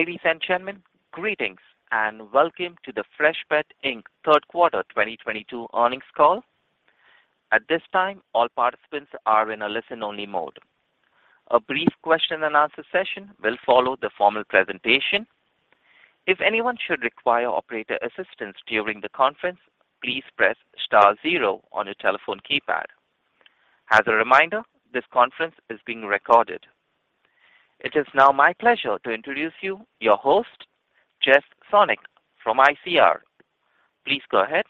Ladies and gentlemen, greetings and welcome to the Freshpet, Inc. Third Quarter 2022 earnings call. At this time, all participants are in a listen-only mode. A brief question and answer session will follow the formal presentation. If anyone should require operator assistance during the conference, please press star zero on your telephone keypad. As a reminder, this conference is being recorded. It is now my pleasure to introduce your host, Jeff Sonnek from ICR. Please go ahead.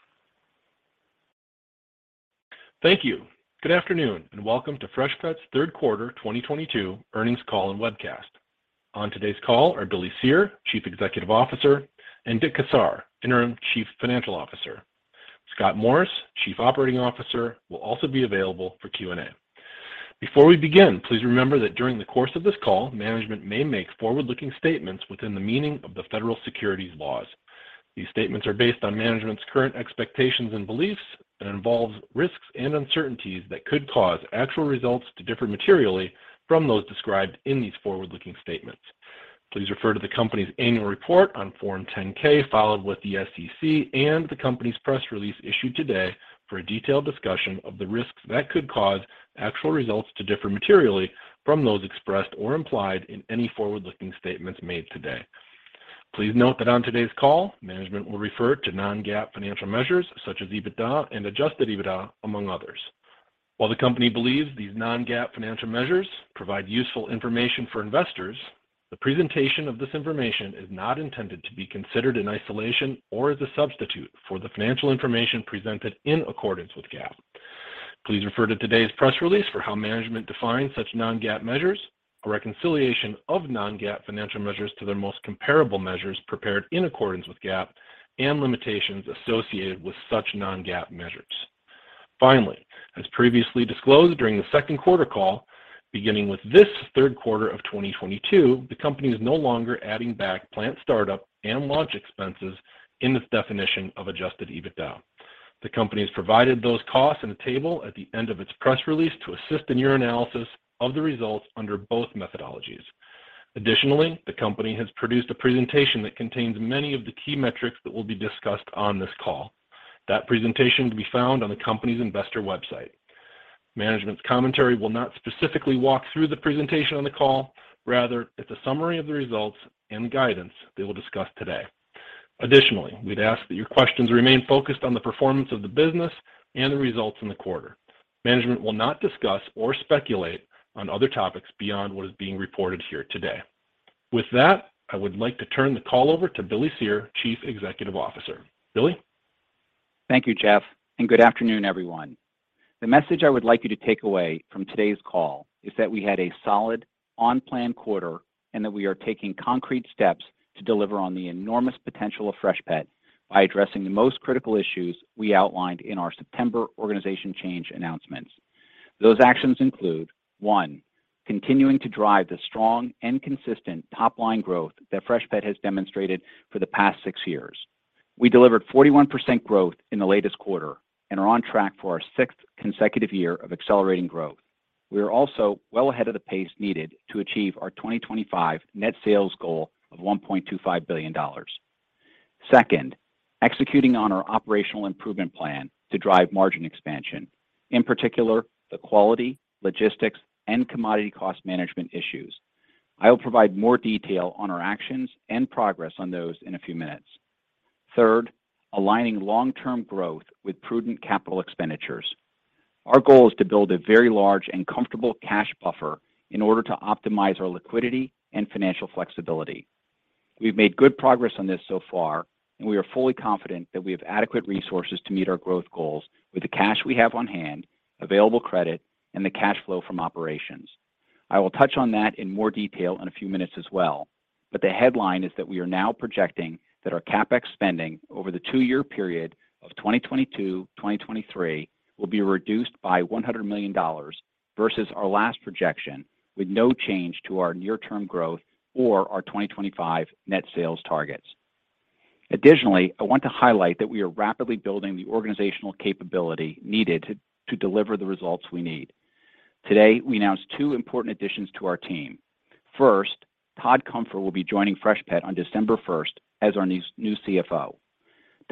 Thank you. Good afternoon, and welcome to Freshpet's Third Quarter 2022 earnings call and webcast. On today's call are Billy Cyr, Chief Executive Officer, and Dick Kassar, Interim Chief Financial Officer. Scott Morris, Chief Operating Officer, will also be available for Q&A. Before we begin, please remember that during the course of this call, management may make forward-looking statements within the meaning of the federal securities laws. These statements are based on management's current expectations and beliefs and involves risks and uncertainties that could cause actual results to differ materially from those described in these forward-looking statements. Please refer to the company's annual report on Form 10-K filed with the SEC and the company's press release issued today for a detailed discussion of the risks that could cause actual results to differ materially from those expressed or implied in any forward-looking statements made today. Please note that on today's call, management will refer to non-GAAP financial measures such as EBITDA and Adjusted EBITDA, among others. While the company believes these non-GAAP financial measures provide useful information for investors, the presentation of this information is not intended to be considered in isolation or as a substitute for the financial information presented in accordance with GAAP. Please refer to today's press release for how management defines such non-GAAP measures, a reconciliation of non-GAAP financial measures to their most comparable measures prepared in accordance with GAAP, and limitations associated with such non-GAAP measures. Finally, as previously disclosed during the second quarter call, beginning with this third quarter of 2022, the company is no longer adding back plant startup and launch expenses in its definition of Adjusted EBITDA. The company has provided those costs in a table at the end of its press release to assist in your analysis of the results under both methodologies. Additionally, the company has produced a presentation that contains many of the key metrics that will be discussed on this call. That presentation can be found on the company's investor website. Management's commentary will not specifically walk through the presentation on the call. Rather, it's a summary of the results and guidance they will discuss today. Additionally, we'd ask that your questions remain focused on the performance of the business and the results in the quarter. Management will not discuss or speculate on other topics beyond what is being reported here today. With that, I would like to turn the call over to Billy Cyr, Chief Executive Officer. Billy. Thank you, Jeff, and good afternoon, everyone. The message I would like you to take away from today's call is that we had a solid on-plan quarter, and that we are taking concrete steps to deliver on the enormous potential of Freshpet by addressing the most critical issues we outlined in our September organization change announcements. Those actions include, one, continuing to drive the strong and consistent top-line growth that Freshpet has demonstrated for the past 6 years. We delivered 41% growth in the latest quarter and are on track for our sixth consecutive year of accelerating growth. We are also well ahead of the pace needed to achieve our 2025 net sales goal of $1.25 billion. Second, executing on our operational improvement plan to drive margin expansion, in particular, the quality, logistics, and commodity cost management issues. I will provide more detail on our actions and progress on those in a few minutes. Third, aligning long-term growth with prudent capital expenditures. Our goal is to build a very large and comfortable cash buffer in order to optimize our liquidity and financial flexibility. We've made good progress on this so far, and we are fully confident that we have adequate resources to meet our growth goals with the cash we have on hand, available credit, and the cash flow from operations. I will touch on that in more detail in a few minutes as well. The headline is that we are now projecting that our CapEx spending over the 2-year period of 2022, 2023 will be reduced by $100 million versus our last projection with no change to our near term growth or our 2025 net sales targets. Additionally, I want to highlight that we are rapidly building the organizational capability needed to deliver the results we need. Today, we announced two important additions to our team. First, Todd Cunfer will be joining Freshpet on December 1st as our new CFO.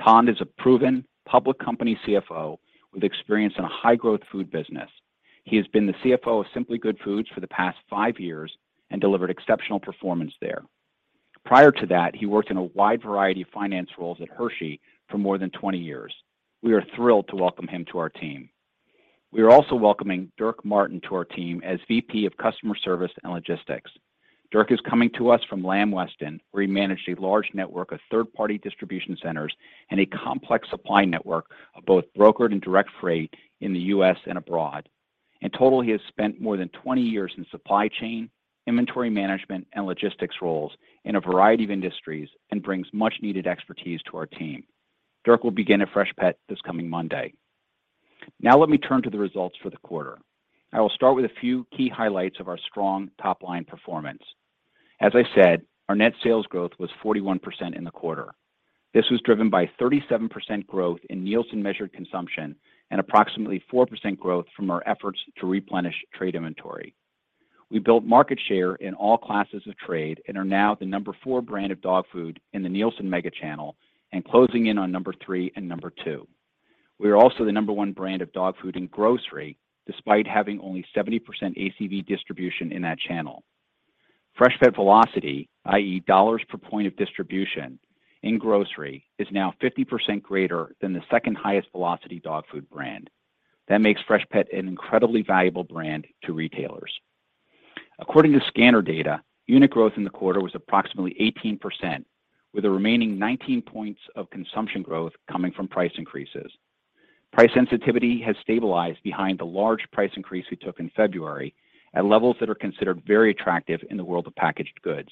Todd is a proven public company CFO with experience in a high growth food business. He has been the CFO of Simply Good Foods for the past five years and delivered exceptional performance there. Prior to that, he worked in a wide variety of finance roles at Hershey for more than 20 years. We are thrilled to welcome him to our team. We are also welcoming Dirk Martin to our team as VP of Customer Service and Logistics. Dirk is coming to us from Lamb Weston, where he managed a large network of third-party distribution centers and a complex supply network of both brokered and direct freight in the U.S. and abroad. In total, he has spent more than 20 years in supply chain, inventory management, and logistics roles in a variety of industries and brings much-needed expertise to our team. Dirk will begin at Freshpet this coming Monday. Now let me turn to the results for the quarter. I will start with a few key highlights of our strong top-line performance. As I said, our net sales growth was 41% in the quarter. This was driven by 37% growth in Nielsen-measured consumption and approximately 4% growth from our efforts to replenish trade inventory. We built market share in all classes of trade and are now the number 4 brand of dog food in the Nielsen Mega Channel and closing in on number 3 and number 2. We are also the number 1 brand of dog food in grocery, despite having only 70% ACV distribution in that channel. Freshpet velocity, i.e., dollars per point of distribution in grocery, is now 50% greater than the second highest velocity dog food brand. That makes Freshpet an incredibly valuable brand to retailers. According to scanner data, unit growth in the quarter was approximately 18%, with the remaining 19 points of consumption growth coming from price increases. Price sensitivity has stabilized behind the large price increase we took in February at levels that are considered very attractive in the world of packaged goods.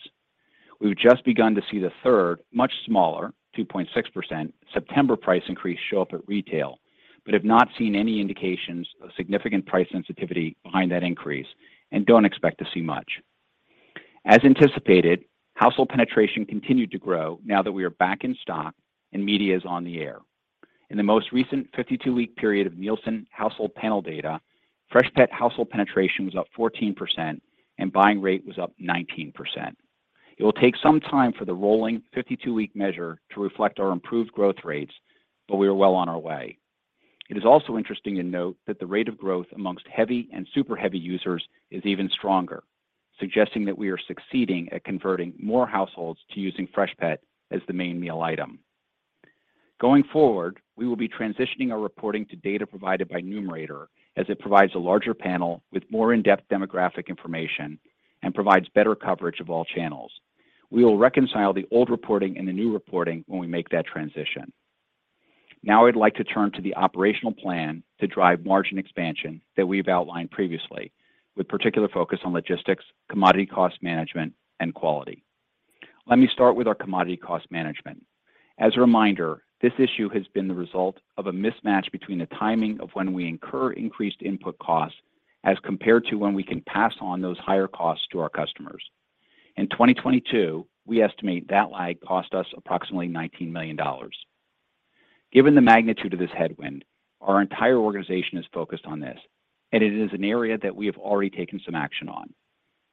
We've just begun to see the third, much smaller, 2.6% September price increase show up at retail, but have not seen any indications of significant price sensitivity behind that increase and don't expect to see much. As anticipated, household penetration continued to grow now that we are back in stock and media is on the air. In the most recent 52-week period of Nielsen household panel data, Freshpet household penetration was up 14% and buying rate was up 19%. It will take some time for the rolling 52-week measure to reflect our improved growth rates, but we are well on our way. It is also interesting to note that the rate of growth among heavy and super heavy users is even stronger, suggesting that we are succeeding at converting more households to using Freshpet as the main meal item. Going forward, we will be transitioning our reporting to data provided by Numerator as it provides a larger panel with more in-depth demographic information and provides better coverage of all channels. We will reconcile the old reporting and the new reporting when we make that transition. Now I'd like to turn to the operational plan to drive margin expansion that we've outlined previously, with particular focus on logistics, commodity cost management, and quality. Let me start with our commodity cost management. As a reminder, this issue has been the result of a mismatch between the timing of when we incur increased input costs as compared to when we can pass on those higher costs to our customers. In 2022, we estimate that lag cost us approximately $19 million. Given the magnitude of this headwind, our entire organization is focused on this, and it is an area that we have already taken some action on.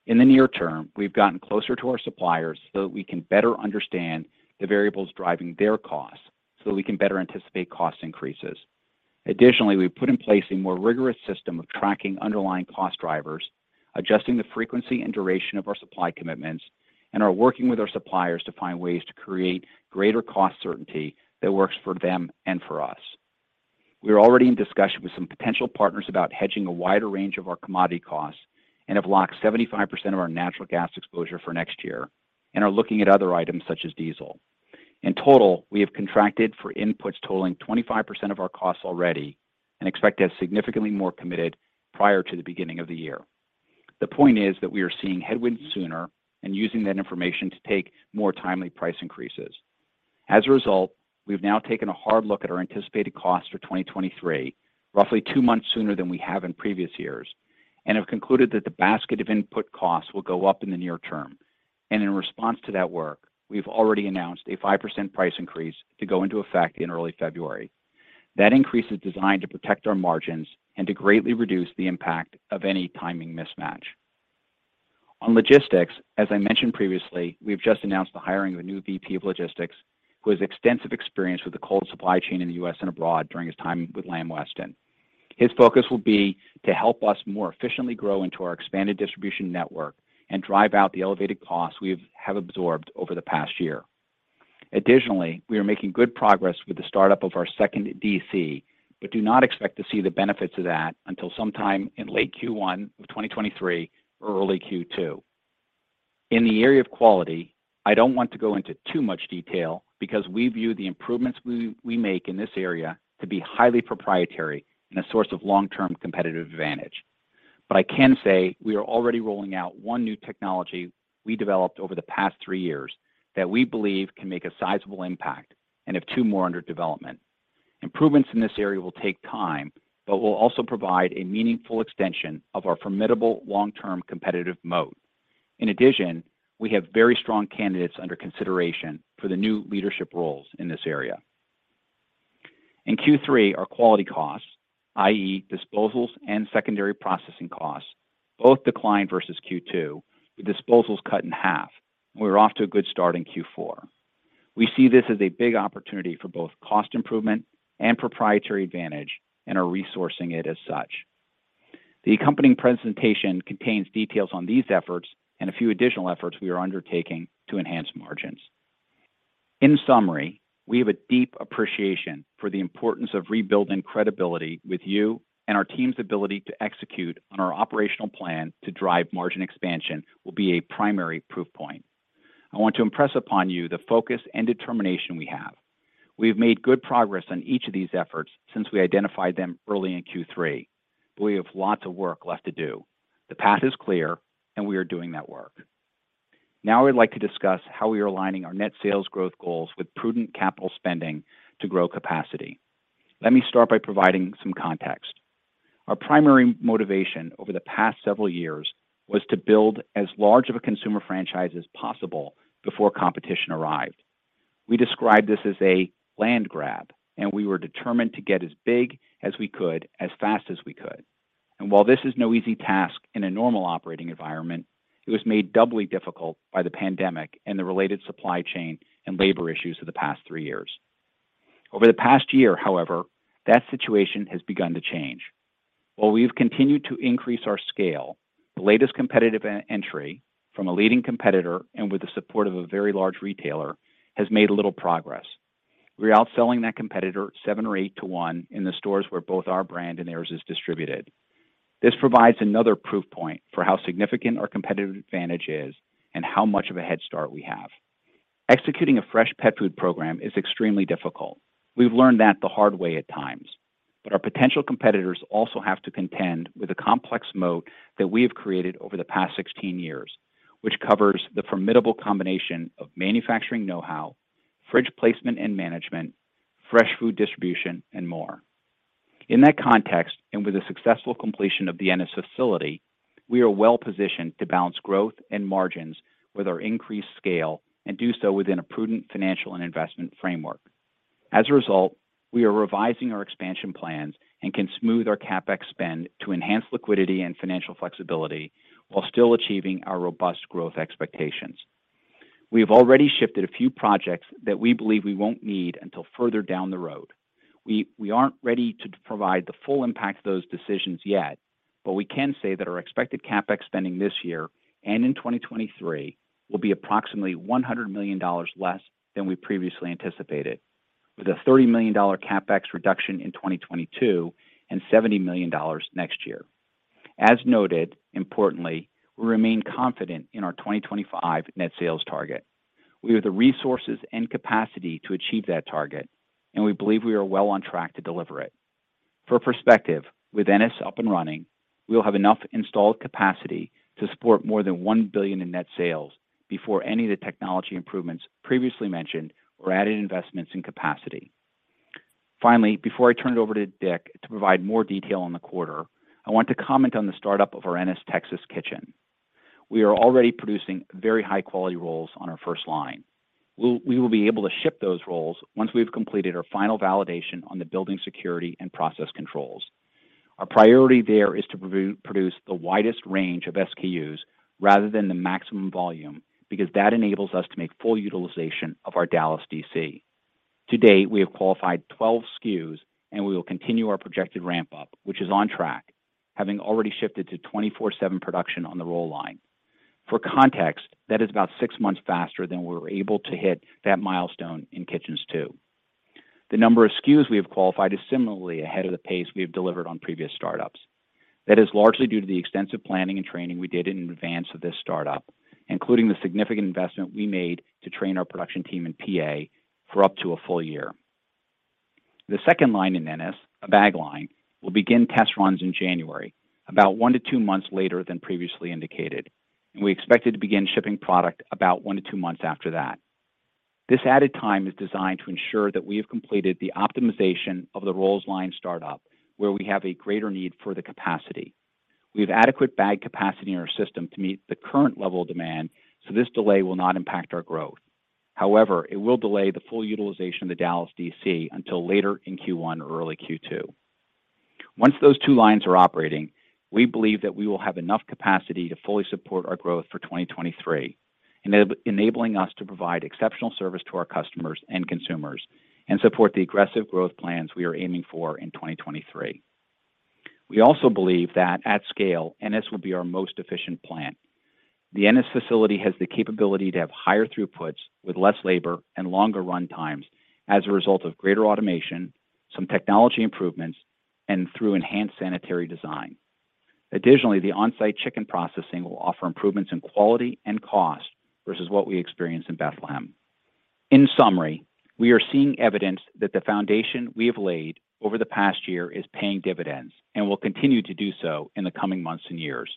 In the near term, we've gotten closer to our suppliers so that we can better understand the variables driving their costs so that we can better anticipate cost increases. Additionally, we've put in place a more rigorous system of tracking underlying cost drivers, adjusting the frequency and duration of our supply commitments, and are working with our suppliers to find ways to create greater cost certainty that works for them and for us. We are already in discussion with some potential partners about hedging a wider range of our commodity costs and have locked 75% of our natural gas exposure for next year and are looking at other items such as diesel. In total, we have contracted for inputs totaling 25% of our costs already and expect to have significantly more committed prior to the beginning of the year. The point is that we are seeing headwinds sooner and using that information to take more timely price increases. As a result, we've now taken a hard look at our anticipated costs for 2023, roughly two months sooner than we have in previous years, and have concluded that the basket of input costs will go up in the near term. In response to that work, we've already announced a 5% price increase to go into effect in early February. That increase is designed to protect our margins and to greatly reduce the impact of any timing mismatch. On logistics, as I mentioned previously, we've just announced the hiring of a new VP of Logistics who has extensive experience with the cold supply chain in the U.S. and abroad during his time with Lamb Weston. His focus will be to help us more efficiently grow into our expanded distribution network and drive out the elevated costs we have absorbed over the past year. Additionally, we are making good progress with the startup of our second DC, but do not expect to see the benefits of that until sometime in late Q1 of 2023 or early Q2. In the area of quality, I don't want to go into too much detail because we view the improvements we make in this area to be highly proprietary and a source of long-term competitive advantage. I can say we are already rolling out one new technology we developed over the past three years that we believe can make a sizable impact and have two more under development. Improvements in this area will take time, but will also provide a meaningful extension of our formidable long-term competitive moat. In addition, we have very strong candidates under consideration for the new leadership roles in this area. In Q3, our quality costs, i.e., disposals and secondary processing costs, both declined versus Q2, with disposals cut in half, and we are off to a good start in Q4. We see this as a big opportunity for both cost improvement and proprietary advantage and are resourcing it as such. The accompanying presentation contains details on these efforts and a few additional efforts we are undertaking to enhance margins. In summary, we have a deep appreciation for the importance of rebuilding credibility with you and our team's ability to execute on our operational plan to drive margin expansion will be a primary proof point. I want to impress upon you the focus and determination we have. We have made good progress on each of these efforts since we identified them early in Q3. We have lots of work left to do. The path is clear, and we are doing that work. Now, I'd like to discuss how we are aligning our net sales growth goals with prudent capital spending to grow capacity. Let me start by providing some context. Our primary motivation over the past several years was to build as large of a consumer franchise as possible before competition arrived. We described this as a land grab, and we were determined to get as big as we could as fast as we could. While this is no easy task in a normal operating environment, it was made doubly difficult by the pandemic and the related supply chain and labor issues of the past three years. Over the past year, however, that situation has begun to change. While we've continued to increase our scale, the latest competitive entry from a leading competitor and with the support of a very large retailer has made a little progress. We're outselling that competitor 7 or 8 to1 in the stores where both our brand and theirs is distributed. This provides another proof point for how significant our competitive advantage is and how much of a head start we have. Executing a Freshpet food program is extremely difficult. We've learned that the hard way at times, but our potential competitors also have to contend with the complex moat that we have created over the past 16 years, which covers the formidable combination of manufacturing know-how, fridge placement and management, fresh food distribution, and more. In that context, and with the successful completion of the Ennis facility, we are well positioned to balance growth and margins with our increased scale and do so within a prudent financial and investment framework. As a result, we are revising our expansion plans and can smooth our CapEx spend to enhance liquidity and financial flexibility while still achieving our robust growth expectations. We have already shifted a few projects that we believe we won't need until further down the road. We aren't ready to provide the full impact of those decisions yet, but we can say that our expected CapEx spending this year and in 2023 will be approximately $100 million less than we previously anticipated, with a $30 million CapEx reduction in 2022 and $70 million next year. Importantly, we remain confident in our 2025 net sales target. We have the resources and capacity to achieve that target, and we believe we are well on track to deliver it. For perspective, with Ennis up and running, we will have enough installed capacity to support more than $1 billion in net sales before any of the technology improvements previously mentioned or added investments in capacity. Finally, before I turn it over to Dick to provide more detail on the quarter, I want to comment on the startup of our Ennis, Texas kitchen. We are already producing very high quality rolls on our first line. We will be able to ship those rolls once we've completed our final validation on the building security and process controls. Our priority there is to produce the widest range of SKUs rather than the maximum volume because that enables us to make full utilization of our Dallas D.C. To date, we have qualified 12 SKUs, and we will continue our projected ramp up, which is on track, having already shifted to 24/7 production on the roll line. For context, that is about six months faster than we were able to hit that milestone in Kitchens 2.0. The number of SKUs we have qualified is similarly ahead of the pace we have delivered on previous startups. That is largely due to the extensive planning and training we did in advance of this startup, including the significant investment we made to train our production team in PA for up to a full year. The second line in Ennis, a bag line, will begin test runs in January, about 1 month-2 months later than previously indicated, and we expect it to begin shipping product about 1 month-2 months after that. This added time is designed to ensure that we have completed the optimization of the rolls line startup, where we have a greater need for the capacity. We have adequate bag capacity in our system to meet the current level of demand, so this delay will not impact our growth. However, it will delay the full utilization of the Dallas D.C. until later in Q1 or early Q2. Once those two lines are operating, we believe that we will have enough capacity to fully support our growth for 2023, enabling us to provide exceptional service to our customers and consumers and support the aggressive growth plans we are aiming for in 2023. We also believe that at scale, Ennis will be our most efficient plant. The Ennis facility has the capability to have higher throughputs with less labor and longer run times as a result of greater automation, some technology improvements, and through enhanced sanitary design. Additionally, the on-site chicken processing will offer improvements in quality and cost versus what we experience in Bethlehem. In summary, we are seeing evidence that the foundation we have laid over the past year is paying dividends and will continue to do so in the coming months and years.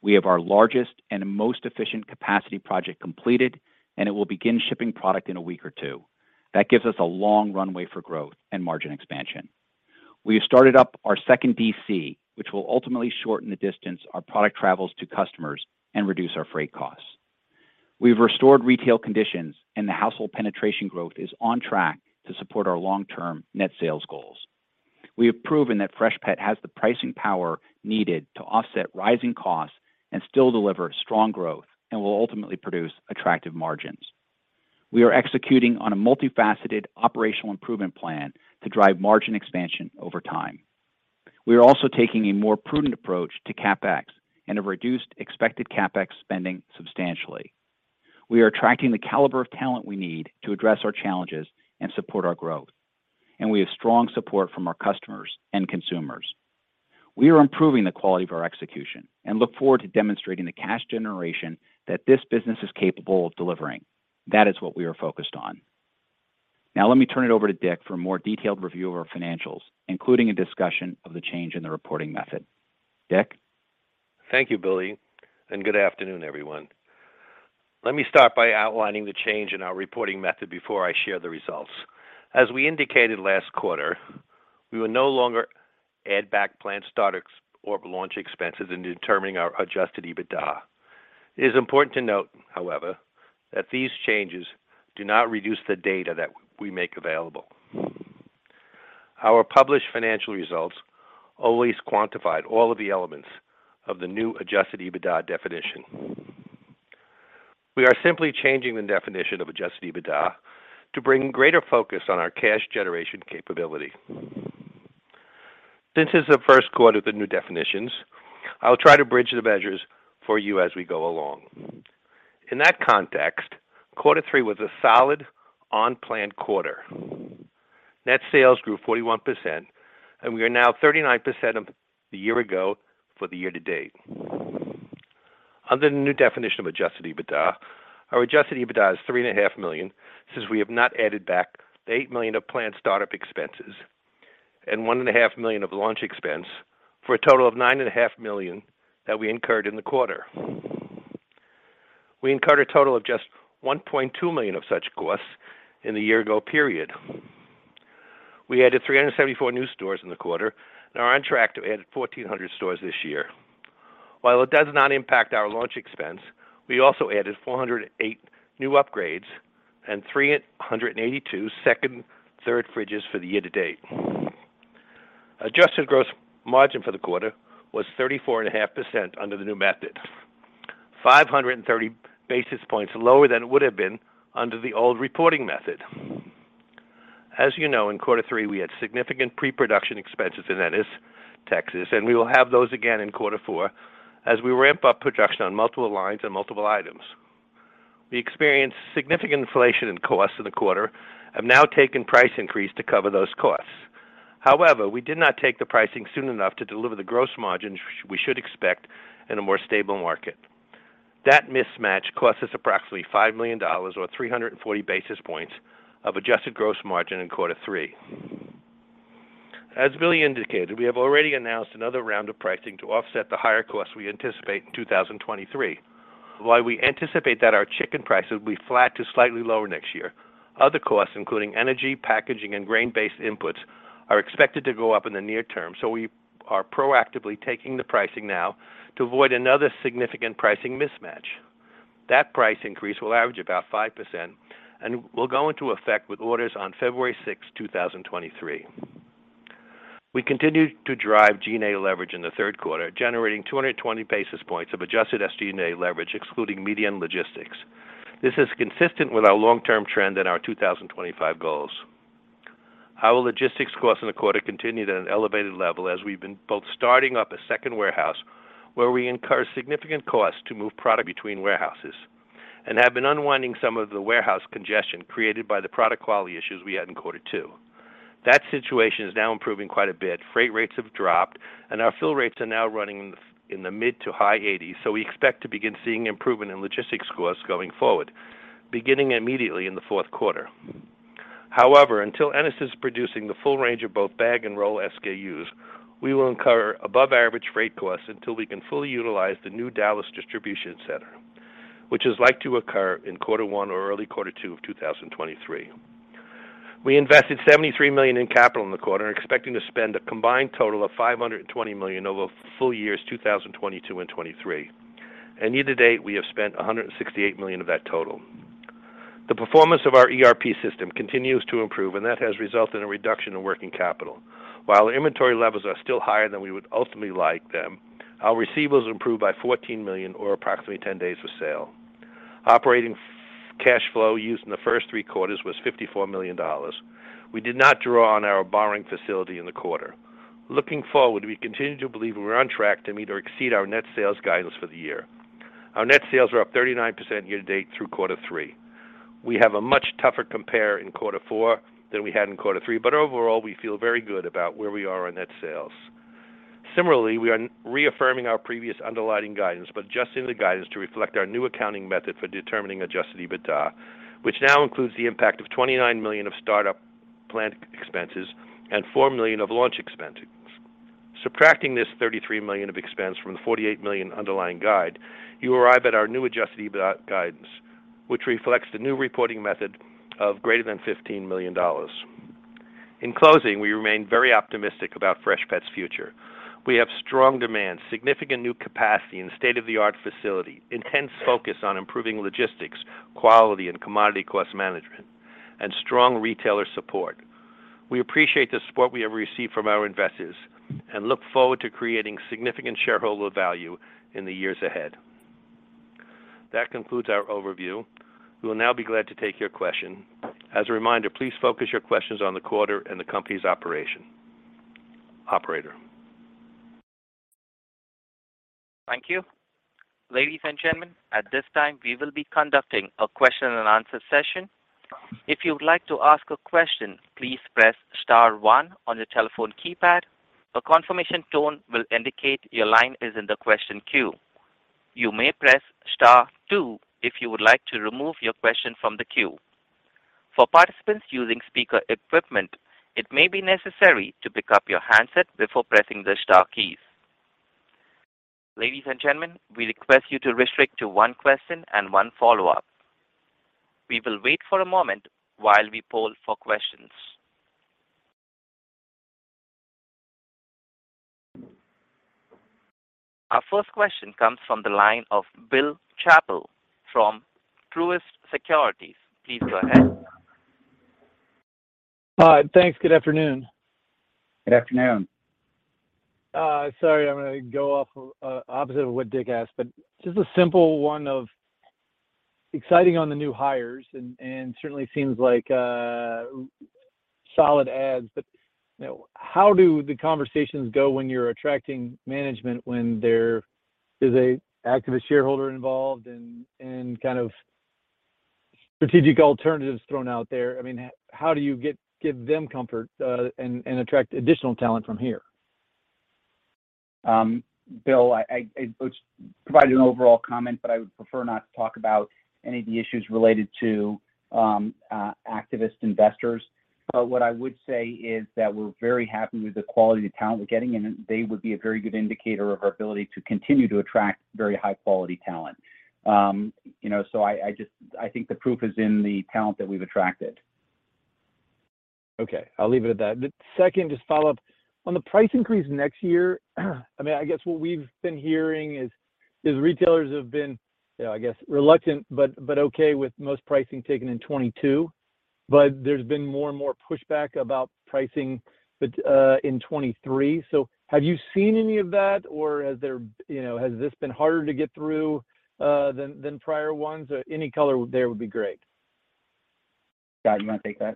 We have our largest and most efficient capacity project completed, and it will begin shipping product in a week or two. That gives us a long runway for growth and margin expansion. We have started up our second DC, which will ultimately shorten the distance our product travels to customers and reduce our freight costs. We've restored retail conditions, and the household penetration growth is on track to support our long-term net sales goals. We have proven that Freshpet has the pricing power needed to offset rising costs and still deliver strong growth and will ultimately produce attractive margins. We are executing on a multifaceted operational improvement plan to drive margin expansion over time. We are also taking a more prudent approach to CapEx and have reduced expected CapEx spending substantially. We are attracting the caliber of talent we need to address our challenges and support our growth, and we have strong support from our customers and consumers. We are improving the quality of our execution and look forward to demonstrating the cash generation that this business is capable of delivering. That is what we are focused on. Now let me turn it over to Dick for a more detailed review of our financials, including a discussion of the change in the reporting method. Dick? Thank you, Billy, and good afternoon, everyone. Let me start by outlining the change in our reporting method before I share the results. As we indicated last quarter, we will no longer add back plant starters or launch expenses in determining our Adjusted EBITDA. It is important to note, however, that these changes do not reduce the data that we make available. Our published financial results always quantified all of the elements of the new Adjusted EBITDA definition. We are simply changing the definition of Adjusted EBITDA to bring greater focus on our cash generation capability. Since it's the first quarter of the new definitions, I'll try to bridge the measures for you as we go along. In that context, quarter three was a solid on-plan quarter. Net sales grew 41%, and we are now 39% over the year ago for the year-to-date. Under the new definition of Adjusted EBITDA, our Adjusted EBITDA is $3.5 million since we have not added back the $8 million of plant startup expenses and $1.5 million of launch expense for a total of $9.5 million that we incurred in the quarter. We incurred a total of just $1.2 million of such costs in the year-ago period. We added 374 new stores in the quarter and are on track to add 1,400 stores this year. While it does not impact our launch expense, we also added 408 new upgrades and 382 second, third fridges for the year-to-date. Adjusted gross margin for the quarter was 34.5% under the new method, 530 basis points lower than it would have been under the old reporting method. As you know, in quarter 3, we had significant pre-production expenses in Ennis, Texas, and we will have those again in quarter four as we ramp up production on multiple lines and multiple items. We experienced significant inflation in costs in the quarter and have now taken price increase to cover those costs. However, we did not take the pricing soon enough to deliver the gross margins we should expect in a more stable market. That mismatch cost us approximately $5 million or 340 basis points of adjusted gross margin in quarter 3. As Billy indicated, we have already announced another round of pricing to offset the higher costs we anticipate in 2023. While we anticipate that our chicken prices will be flat to slightly lower next year, other costs, including energy, packaging, and grain-based inputs, are expected to go up in the near term, so we are proactively taking the pricing now to avoid another significant pricing mismatch. That price increase will average about 5% and will go into effect with orders on February 6th, 2023. We continued to drive SG&A leverage in the third quarter, generating 220 basis points of Adjusted SG&A leverage, excluding media and logistics. This is consistent with our long-term trend and our 2025 goals. Our logistics costs in the quarter continued at an elevated level as we've been both starting up a second warehouse where we incur significant cost to move product between warehouses and have been unwinding some of the warehouse congestion created by the product quality issues we had in quarter two. That situation is now improving quite a bit. Freight rates have dropped, and our fill rates are now running in the mid- to high 80s. We expect to begin seeing improvement in logistics costs going forward, beginning immediately in the fourth quarter. However, until Ennis is producing the full range of both bag and roll SKUs, we will incur above-average freight costs until we can fully utilize the new Dallas distribution center, which is likely to occur in quarter one or early quarter 2 of 2023. We invested $73 million in capital in the quarter and are expecting to spend a combined total of $520 million over the full years 2022 and 2023. Year to date, we have spent $168 million of that total. The performance of our ERP system continues to improve, and that has resulted in a reduction in working capital. While inventory levels are still higher than we would ultimately like them, our receivables improved by $14 million or approximately 10 days of sale. Operating cash flow used in the first three quarters was $54 million. We did not draw on our borrowing facility in the quarter. Looking forward, we continue to believe we're on track to meet or exceed our net sales guidance for the year. Our net sales are up 39% year-to-date through quarter three. We have a much tougher compare in quarter 4 than we had in quarter 3, but overall, we feel very good about where we are on net sales. Similarly, we are reaffirming our previous underlying guidance, but adjusting the guidance to reflect our new accounting method for determining Adjusted EBITDA, which now includes the impact of $29 million of startup plant expenses and $4 million of launch expenses. Subtracting this $33 million of expense from the $48 million underlying guide, you arrive at our new Adjusted EBITDA guidance, which reflects the new reporting method of greater than $15 million. In closing, we remain very optimistic about Freshpet's future. We have strong demand, significant new capacity and state-of-the-art facility, intense focus on improving logistics, quality and commodity cost management, and strong retailer support. We appreciate the support we have received from our investors and look forward to creating significant shareholder value in the years ahead. That concludes our overview. We will now be glad to take your question. As a reminder, please focus your questions on the quarter and the company's operation. Operator? Thank you. Ladies and gentlemen, at this time, we will be conducting a question and answer session. If you would like to ask a question, please press star one on your telephone keypad. A confirmation tone will indicate your line is in the question queue. You may press star two if you would like to remove your question from the queue. For participants using speaker equipment, it may be necessary to pick up your handset before pressing the star keys. Ladies and gentlemen, we request you to restrict to one question and one follow-up. We will wait for a moment while we poll for questions. Our first question comes from the line of Bill Chappell from Truist Securities. Please go ahead. Thanks. Good afternoon. Good afternoon. Sorry, I'm gonna go off opposite of what Dick asked, but just a simple one of exciting on the new hires and certainly seems like solid adds. You know, how do the conversations go when you're attracting management when there is a activist shareholder involved and kind of strategic alternatives thrown out there? I mean, how do you give them comfort and attract additional talent from here? Bill, let's provide an overall comment, but I would prefer not to talk about any of the issues related to activist investors. What I would say is that we're very happy with the quality of talent we're getting, and they would be a very good indicator of our ability to continue to attract very high quality talent. You know, I think the proof is in the talent that we've attracted. Okay. I'll leave it at that. The second, just follow up. On the price increase next year, I mean, I guess what we've been hearing is retailers have been, you know, I guess reluctant, but okay with most pricing taken in 2022. There's been more and more pushback about pricing in 2023. Have you seen any of that, or has this been harder to get through than prior ones? Any color there would be great. Scott, you wanna take that?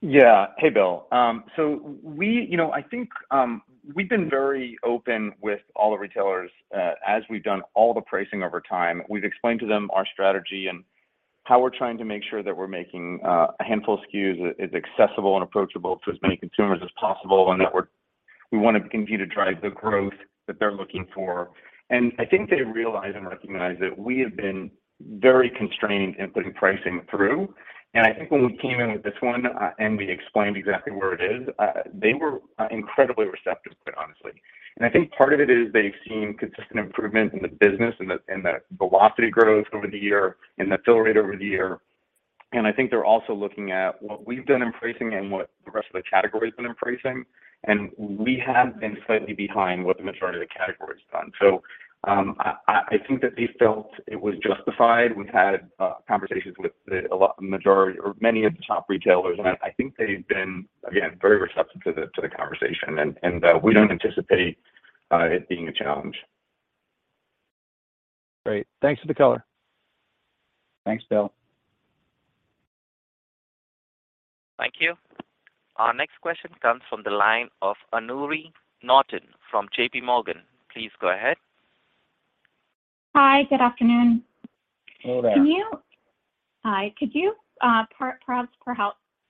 Yeah. Hey, Bill. You know, I think we've been very open with all the retailers as we've done all the pricing over time. We've explained to them our strategy and how we're trying to make sure that we're making a handful of SKUs as accessible and approachable to as many consumers as possible, and that we wanna continue to drive the growth that they're looking for. I think they realize and recognize that we have been very constrained in putting pricing through. I think when we came in with this one and we explained exactly where it is, they were incredibly receptive, quite honestly. I think part of it is they've seen consistent improvement in the business and the velocity growth over the year and the fill rate over the year. I think they're also looking at what we've done in pricing and what the rest of the category's been in pricing, and we have been slightly behind what the majority of the category's done. I think that they felt it was justified. We've had conversations with the majority or many of the top retailers, and I think they've been, again, very receptive to the conversation. We don't anticipate it being a challenge. Great. Thanks for the color. Thanks, Bill. Thank you. Our next question comes from the line of Anoori Naughton from JPMorgan. Please go ahead. Hi, good afternoon. Hello there. Hi. Could you perhaps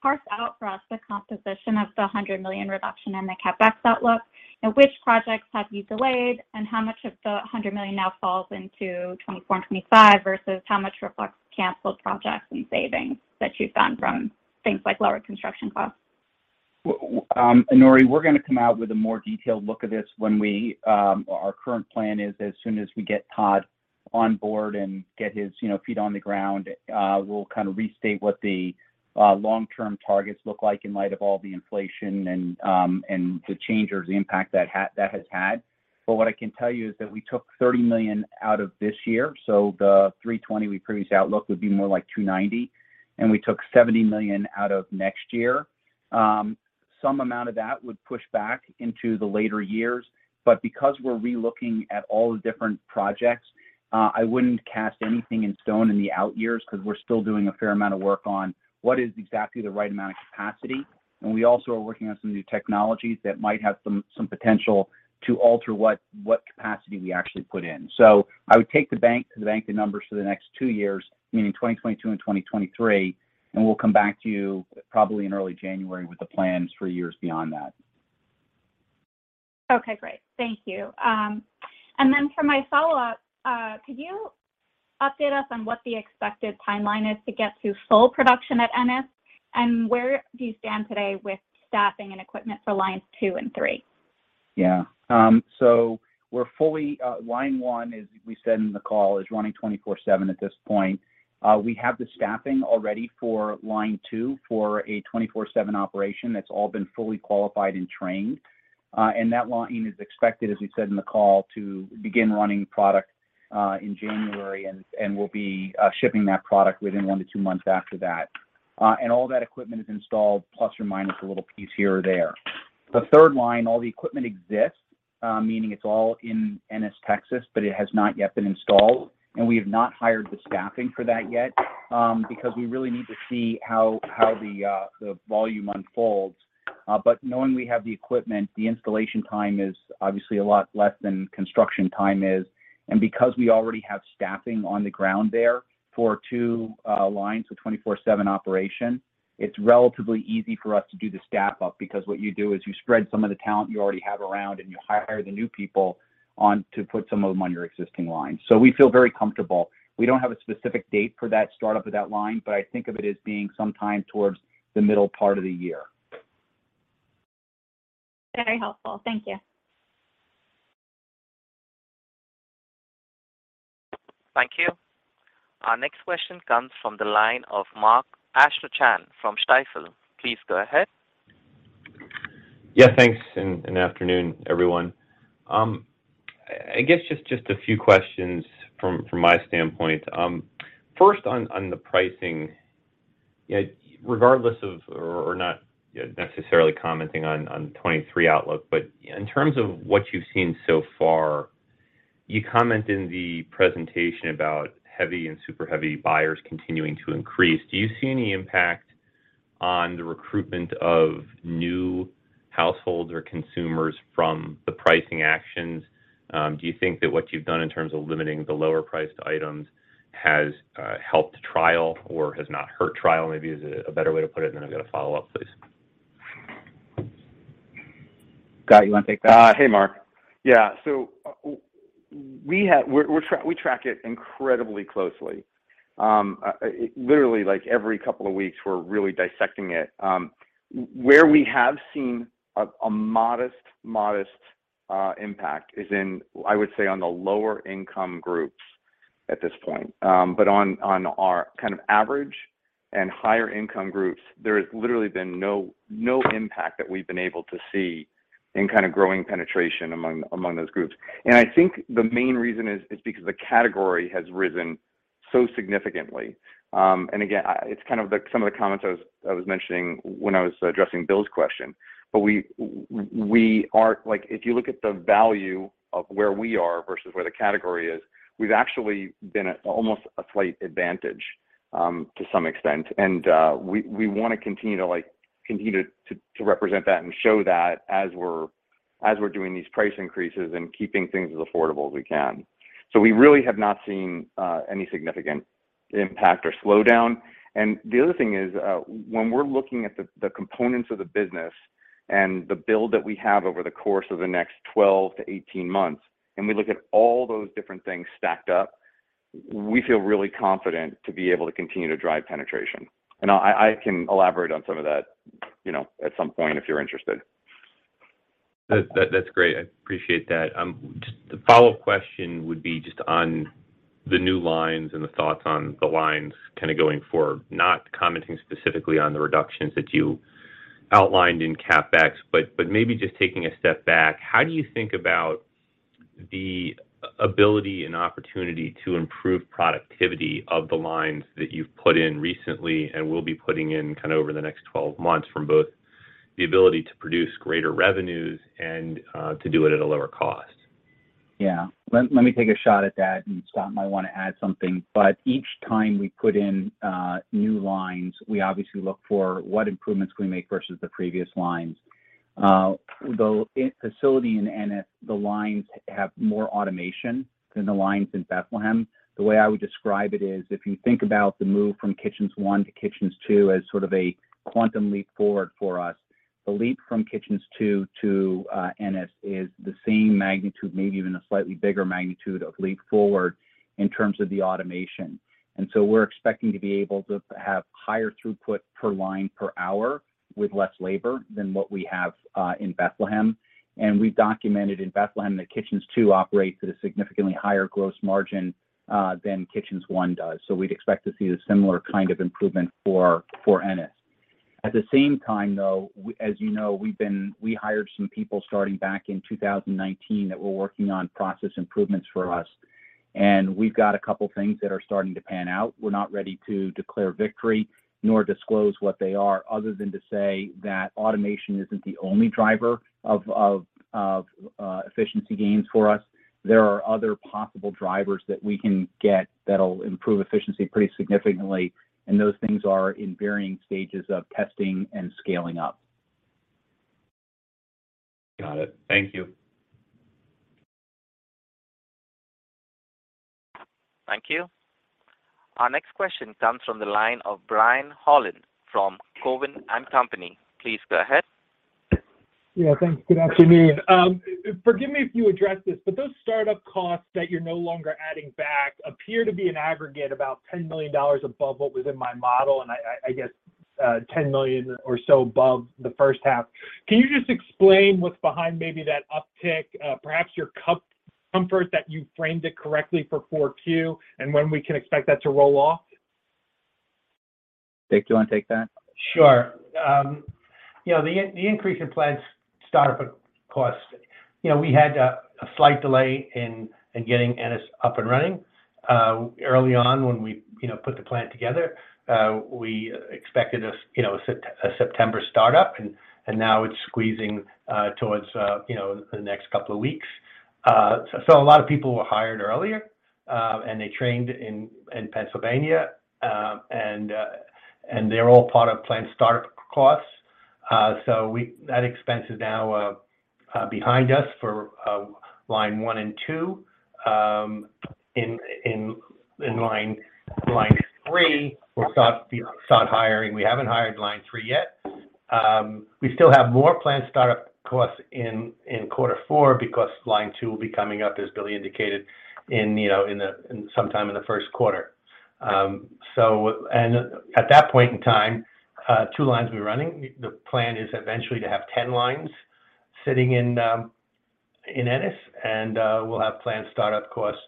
parse out for us the composition of the $100 million reduction in the CapEx outlook, and which projects have you delayed, and how much of the $100 million now falls into 2024 and 2025, versus how much reflects canceled projects and savings that you've gotten from things like lower construction costs? Anoori, we're gonna come out with a more detailed look at this. Our current plan is as soon as we get Todd Cunfer on board and get his, you know, feet on the ground, we'll kind of restate what the long-term targets look like in light of all the inflation and the change or the impact that has had. What I can tell you is that we took $30 million out of this year, so the $320 million outlook would be more like $290 million, and we took $70 million out of next year. Some amount of that would push back into the later years. Because we're relooking at all the different projects, I wouldn't cast anything in stone in the out years 'cause we're still doing a fair amount of work on what is exactly the right amount of capacity. We also are working on some new technologies that might have some potential to alter what capacity we actually put in. I would take to the bank the numbers for the next two years, meaning 2022 and 2023, and we'll come back to you probably in early January with the plans for years beyond that. Okay, great. Thank you. For my follow-up, could you update us on what the expected timeline is to get to full production at Ennis, and where do you stand today with staffing and equipment for lines two and three? Yeah. We're fully line one is, we said in the call, is running 24/7 at this point. We have the staffing all ready for line two for a 24/7 operation that's all been fully qualified and trained. That line is expected, as we said in the call, to begin running product in January, and we'll be shipping that product within 1 month-2 months after that. All that equipment is installed ± a little piece here or there. The third line, all the equipment exists, meaning it's all in Ennis, Texas, but it has not yet been installed, and we have not hired the staffing for that yet, because we really need to see how the volume unfolds. Knowing we have the equipment, the installation time is obviously a lot less than construction time is. Because we already have staffing on the ground there for two lines with 24/7 operation, it's relatively easy for us to staff up because what you do is you spread some of the talent you already have around, and you hire the new people on to put some of them on your existing lines. We feel very comfortable. We don't have a specific date for that start-up of that line, but I think of it as being sometime towards the middle part of the year. Very helpful. Thank you. Thank you. Our next question comes from the line of Mark Astrachan from Stifel. Please go ahead. Yeah. Thanks, afternoon, everyone. I guess just a few questions from my standpoint. First on the pricing. You know, regardless of, or not necessarily commenting on 2023 outlook, but in terms of what you've seen so far, you comment in the presentation about heavy and super heavy buyers continuing to increase. Do you see any impact on the recruitment of new households or consumers from the pricing actions? Do you think that what you've done in terms of limiting the lower priced items has helped trial or has not hurt trial, maybe is a better way to put it? Then I've got a follow-up, please. Scott, you wanna take that? Hey, Mark. Yeah. We have. We track it incredibly closely. Literally, like, every couple of weeks we're really dissecting it. Where we have seen a modest impact is in, I would say, on the lower income groups at this point. On our kind of average and higher income groups, there has literally been no impact that we've been able to see in kind of growing penetration among those groups. I think the main reason is because the category has risen so significantly. Again, it's kind of the some of the comments I was mentioning when I was addressing Bill's question. We are. Like, if you look at the value of where we are versus where the category is, we've actually been at almost a slight advantage, to some extent. We wanna continue to represent that and show that as we're doing these price increases and keeping things as affordable as we can. We really have not seen any significant impact or slowdown. The other thing is, when we're looking at the components of the business and the build that we have over the course of the next 12 months-18 months, and we look at all those different things stacked up, we feel really confident to be able to continue to drive penetration. I can elaborate on some of that, you know, at some point if you're interested. That, that's great. I appreciate that. Just the follow-up question would be just on the new lines and the thoughts on the lines kind of going forward. Not commenting specifically on the reductions that you outlined in CapEx, but maybe just taking a step back, how do you think about the ability and opportunity to improve productivity of the lines that you've put in recently and will be putting in kind of over the next 12 months from both the ability to produce greater revenues and to do it at a lower cost? Yeah. Let me take a shot at that, and Scott might wanna add something. Each time we put in new lines, we obviously look for what improvements can we make versus the previous lines. The facility in Ennis, the lines have more automation than the lines in Bethlehem. The way I would describe it is, if you think about the move from Freshpet Kitchens 1 to Kitchens 2.0 as sort of a quantum leap forward for us, the leap from Kitchens 2.0 to Ennis is the same magnitude, maybe even a slightly bigger magnitude, of leap forward in terms of the automation. We're expecting to be able to have higher throughput per line per hour with less labor than what we have in Bethlehem. We've documented in Bethlehem that Kitchens 2.0 operates at a significantly higher gross margin than Freshpet Kitchens 1 does. We'd expect to see a similar kind of improvement for Ennis. At the same time, though, as you know, we hired some people starting back in 2019 that were working on process improvements for us, and we've got a couple things that are starting to pan out. We're not ready to declare victory nor disclose what they are other than to say that automation isn't the only driver of efficiency gains for us. There are other possible drivers that we can get that'll improve efficiency pretty significantly, and those things are in varying stages of testing and scaling up. Got it. Thank you. Thank you. Our next question comes from the line of Brian Holland from Cowen and Company. Please go ahead. Yeah. Thanks. Good afternoon. Forgive me if you addressed this, but those startup costs that you're no longer adding back appear to be an aggregate about $10 million above what was in my model, and I guess $10 million or so above the first half. Can you just explain what's behind maybe that uptick? Perhaps your comfort that you framed it correctly for 4Q and when we can expect that to roll off? Dick, do you wanna take that? Sure. You know, the increase in plant startup cost, you know, we had a slight delay in getting Ennis up and running early on when we you know put the plant together. We expected a September startup, and now it's squeezing towards you know the next couple of weeks. So a lot of people were hired earlier, and they trained in Pennsylvania. They're all part of plant startup costs. That expense is now behind us for line one and two. In line three, we'll start hiring. We haven't hired line three yet. We still have more plant startup costs in quarter four because line two will be coming up, as Billy indicated, sometime in the first quarter. At that point in time, 2 lines will be running. The plan is eventually to have 10 lines sitting in Ennis, and we'll have planned startup costs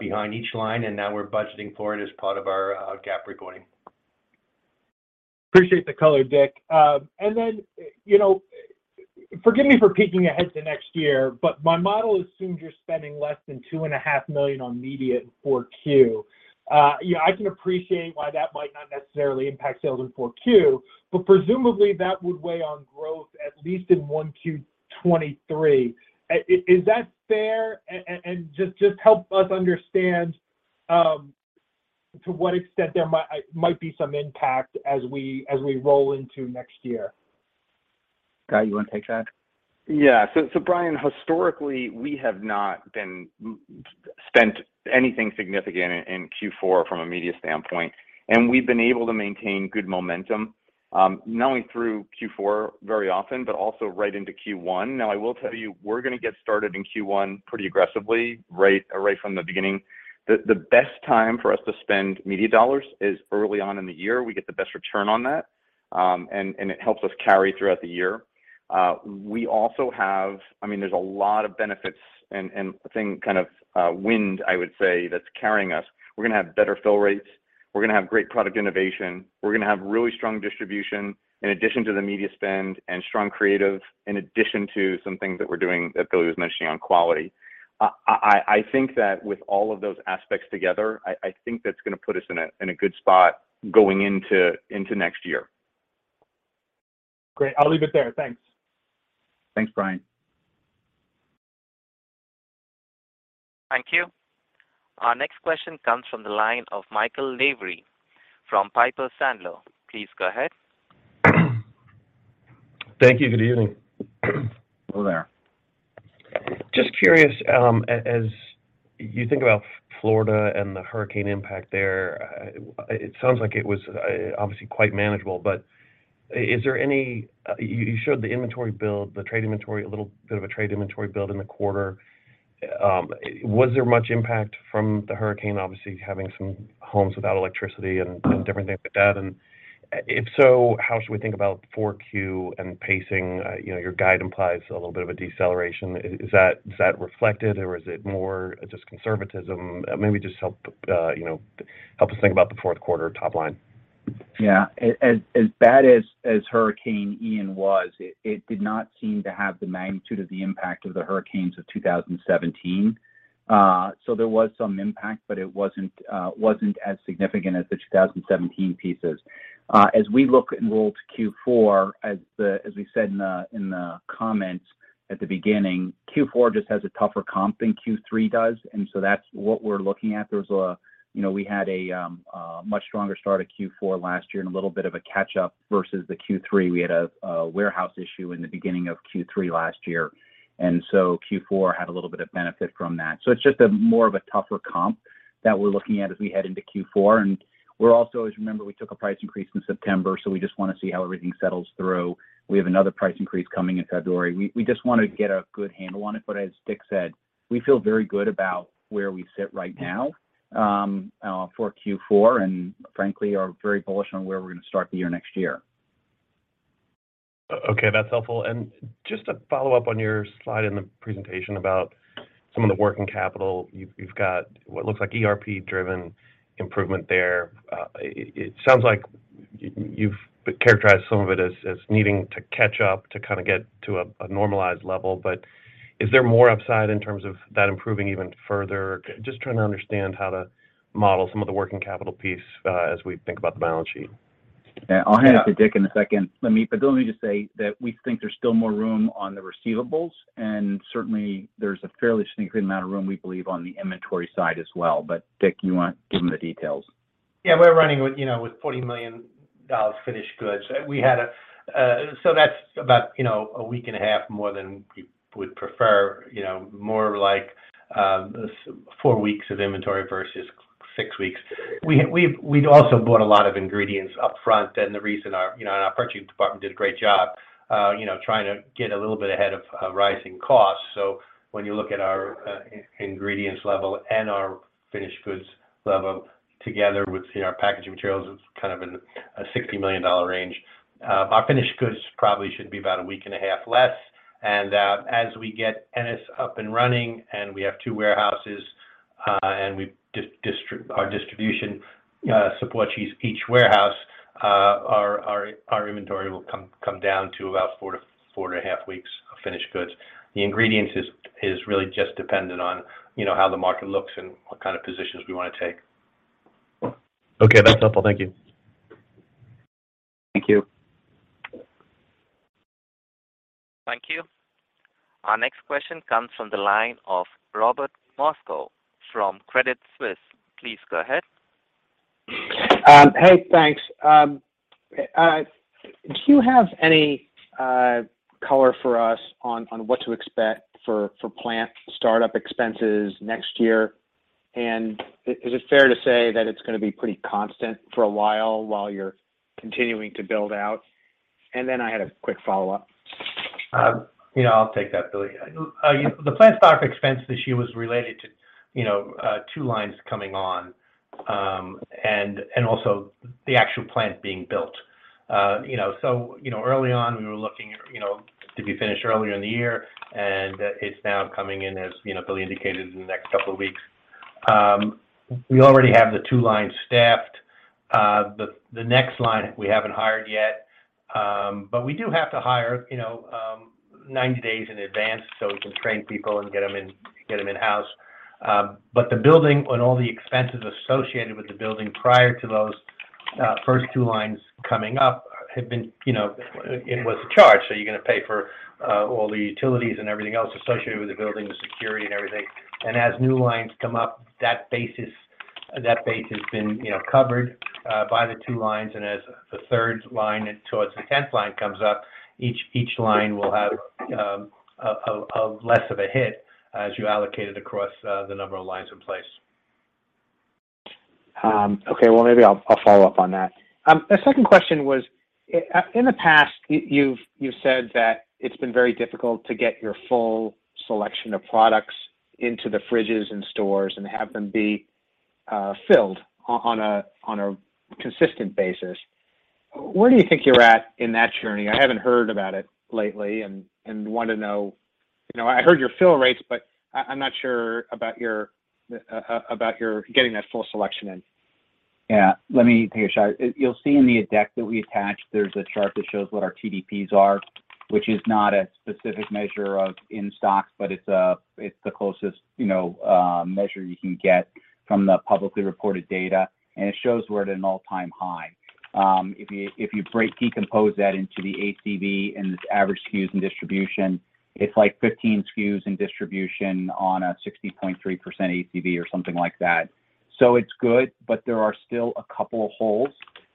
behind each line, and now we're budgeting for it as part of our GAAP reporting. Appreciate the color, Dick. You know, forgive me for peeking ahead to next year, but my model assumes you're spending less than $2.5 million on media in 4Q. You know, I can appreciate why that might not necessarily impact sales in 4Q, but presumably that would weigh on growth at least in 1Q 2023. Is that fair? Just help us understand to what extent there might be some impact as we roll into next year. Scott, you wanna take that? Yeah. Brian, historically, we have not spent anything significant in Q4 from a media standpoint. We've been able to maintain good momentum, not only through Q4 very often, but also right into Q1. Now, I will tell you, we're gonna get started in Q1 pretty aggressively, right from the beginning. The best time for us to spend media dollars is early on in the year. We get the best return on that, and it helps us carry throughout the year. We also have a lot of benefits, and I think kind of tailwind, I would say, that's carrying us. We're gonna have better fill rates. We're gonna have great product innovation. We're gonna have really strong distribution in addition to the media spend, and strong creative in addition to some things that we're doing that Billy was mentioning on quality. I think that with all of those aspects together, I think that's gonna put us in a good spot going into next year. Great. I'll leave it there. Thanks. Thanks, Brian. Thank you. Our next question comes from the line of Michael Lavery from Piper Sandler. Please go ahead. Thank you. Good evening. Hello there. Just curious, as you think about Florida and the hurricane impact there, it sounds like it was obviously quite manageable. Is there any you showed the inventory build, the trade inventory, a little bit of a trade inventory build in the quarter. Was there much impact from the hurricane, obviously having some homes without electricity and different things like that? If so, how should we think about 4Q and pacing? You know, your guide implies a little bit of a deceleration. Is that reflected or is it more just conservatism? Maybe just help us think about the fourth quarter top line. Yeah. As bad as Hurricane Ian was, it did not seem to have the magnitude of the impact of the hurricanes of 2017. There was some impact, but it wasn't as significant as the 2017 pieces. As we look and roll to Q4, as we said in the comments at the beginning, Q4 just has a tougher comp than Q3 does, and that's what we're looking at. You know, we had a much stronger start of Q4 last year and a little bit of a catch-up versus the Q3. We had a warehouse issue in the beginning of Q3 last year, and Q4 had a little bit of benefit from that. It's just a more of a tougher comp that we're looking at as we head into Q4. We're also, as you remember, we took a price increase in September, so we just wanna see how everything settles through. We have another price increase coming in February. We just wanna get a good handle on it. As Dick said, we feel very good about where we sit right now for Q4, and frankly, are very bullish on where we're gonna start the year next year. Okay, that's helpful. Just to follow up on your slide in the presentation about some of the working capital, you've got what looks like ERP-driven improvement there. It sounds like you've characterized some of it as needing to catch up to kind of get to a normalized level. Is there more upside in terms of that improving even further? Just trying to understand how to model some of the working capital piece, as we think about the balance sheet. Yeah. I'll hand it to Dick in a second. Let me just say that we think there's still more room on the receivables, and certainly there's a fairly significant amount of room, we believe, on the inventory side as well. Dick, you want to give them the details? Yeah. We're running with, you know, with $40 million finished goods. That's about, you know, a week and a half more than we would prefer. You know, more like 4 weeks of inventory versus 6 weeks. We've also bought a lot of ingredients up front. The reason our, you know, and our purchasing department did a great job, you know, trying to get a little bit ahead of rising costs. When you look at our ingredients level and our finished goods level together with, you know, our packaging materials, it's kind of in a $60 million range. Our finished goods probably should be about a week and a half less. As we get Ennis up and running, and we have two warehouses, and our distribution supports each warehouse, our inventory will come down to about 4 weeks-4.5 weeks of finished goods. The ingredients is really just dependent on, you know, how the market looks and what kind of positions we wanna take. Okay. That's helpful. Thank you. Thank you. Thank you. Our next question comes from the line of Robert Moskow from Credit Suisse. Please go ahead. Hey, thanks. Do you have any color for us on what to expect for plant startup expenses next year? Is it fair to say that it's gonna be pretty constant for a while you're continuing to build out? Then I had a quick follow-up. You know, I'll take that, Billy. Yeah, the plant startup expense this year was related to, you know, 2 lines coming on, and also the actual plant being built. You know, early on, we were looking at, you know, to be finished earlier in the year, and it's now coming in as, you know, Billy indicated, in the next couple of weeks. We already have the 2 lines staffed. The next line we haven't hired yet, but we do have to hire, you know, 90 days in advance so we can train people and get them in-house. The building and all the expenses associated with the building prior to those first 2 lines coming up have been, you know, it was a charge, so you're gonna pay for all the utilities and everything else associated with the building, the security and everything. As new lines come up, that base has been, you know, covered by the two lines. As the third line towards the 10th line comes up, each line will have a less of a hit as you allocate it across the number of lines in place. Okay. Well, maybe I'll follow up on that. The second question was in the past, you've said that it's been very difficult to get your full selection of products into the fridges and stores and have them be filled on a consistent basis. Where do you think you're at in that journey? I haven't heard about it lately and want to know. You know, I heard your fill rates, but I'm not sure about your getting that full selection in. Yeah. Let me take a shot. You'll see in the deck that we attached, there's a chart that shows what our TDPs are, which is not a specific measure of in-stocks, but it's the closest, you know, measure you can get from the publicly reported data, and it shows we're at an all-time high. If you decompose that into the ACV and the average SKUs and distribution, it's like 15 SKUs and distribution on a 60.3% ACV or something like that. It's good, but there are still a couple of holes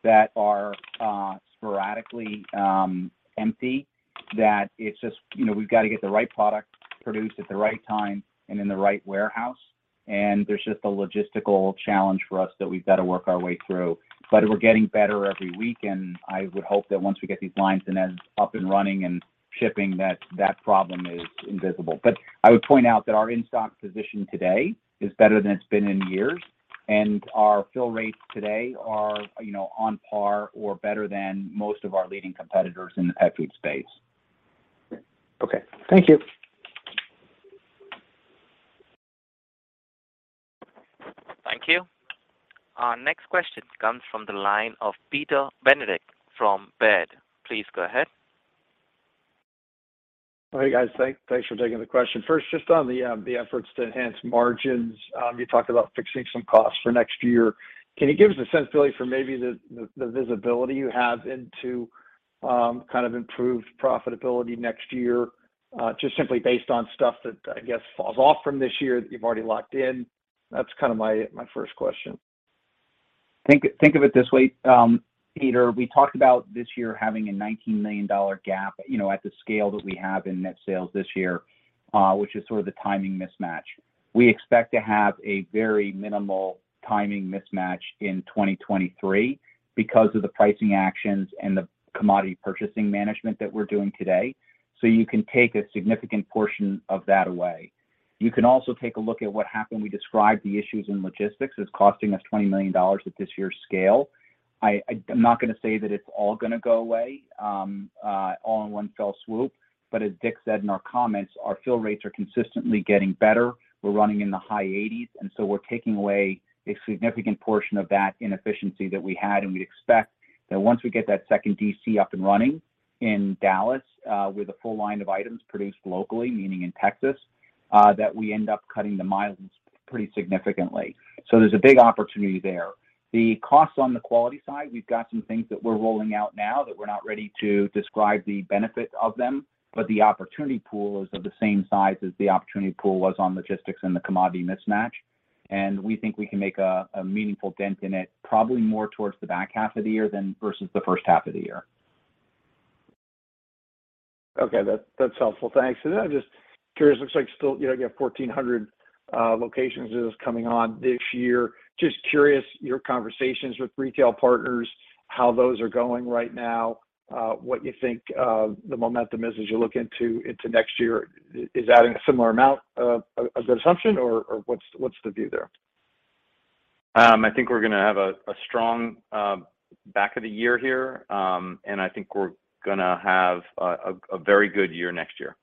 that are sporadically empty that it's just, you know, we've got to get the right product produced at the right time and in the right warehouse, and there's just a logistical challenge for us that we've got to work our way through. We're getting better every week, and I would hope that once we get these lines and then up and running and shipping, that that problem is invisible. I would point out that our in-stock position today is better than it's been in years, and our fill rates today are, you know, on par or better than most of our leading competitors in the pet food space. Okay. Thank you. Thank you. Our next question comes from the line of Peter Benedict from Baird. Please go ahead. Hey, guys. Thanks for taking the question. First, just on the efforts to enhance margins, you talked about fixing some costs for next year. Can you give us a sensibility for maybe the visibility you have into, kind of improved profitability next year, just simply based on stuff that, I guess, falls off from this year that you've already locked in? That's kind of my first question. Think of it this way, Peter. We talked about this year having a $19 million gap, you know, at the scale that we have in net sales this year, which is sort of the timing mismatch. We expect to have a very minimal timing mismatch in 2023 because of the pricing actions and the commodity purchasing management that we're doing today. You can take a significant portion of that away. You can also take a look at what happened. We described the issues in logistics as costing us $20 million at this year's scale. I'm not gonna say that it's all gonna go away, all in one fell swoop, but as Dick said in our comments, our fill rates are consistently getting better. We're running in the high 80s, and so we're taking away a significant portion of that inefficiency that we had. We'd expect that once we get that second DC up and running in Dallas, with a full line of items produced locally, meaning in Texas, that we end up cutting the miles pretty significantly. So there's a big opportunity there. The costs on the quality side, we've got some things that we're rolling out now that we're not ready to describe the benefit of them, but the opportunity pool is of the same size as the opportunity pool was on logistics and the commodity mismatch. We think we can make a meaningful dent in it, probably more towards the back half of the year than versus the first half of the year. Okay. That's helpful. Thanks. Then I'm just curious, looks like still, you know, you have 1,400 locations coming on this year. Just curious, your conversations with retail partners, how those are going right now, what you think the momentum is as you look into next year. Is that a similar amount of assumption or what's the view there? I think we're gonna have a strong back of the year here. I think we're gonna have a very good year next year.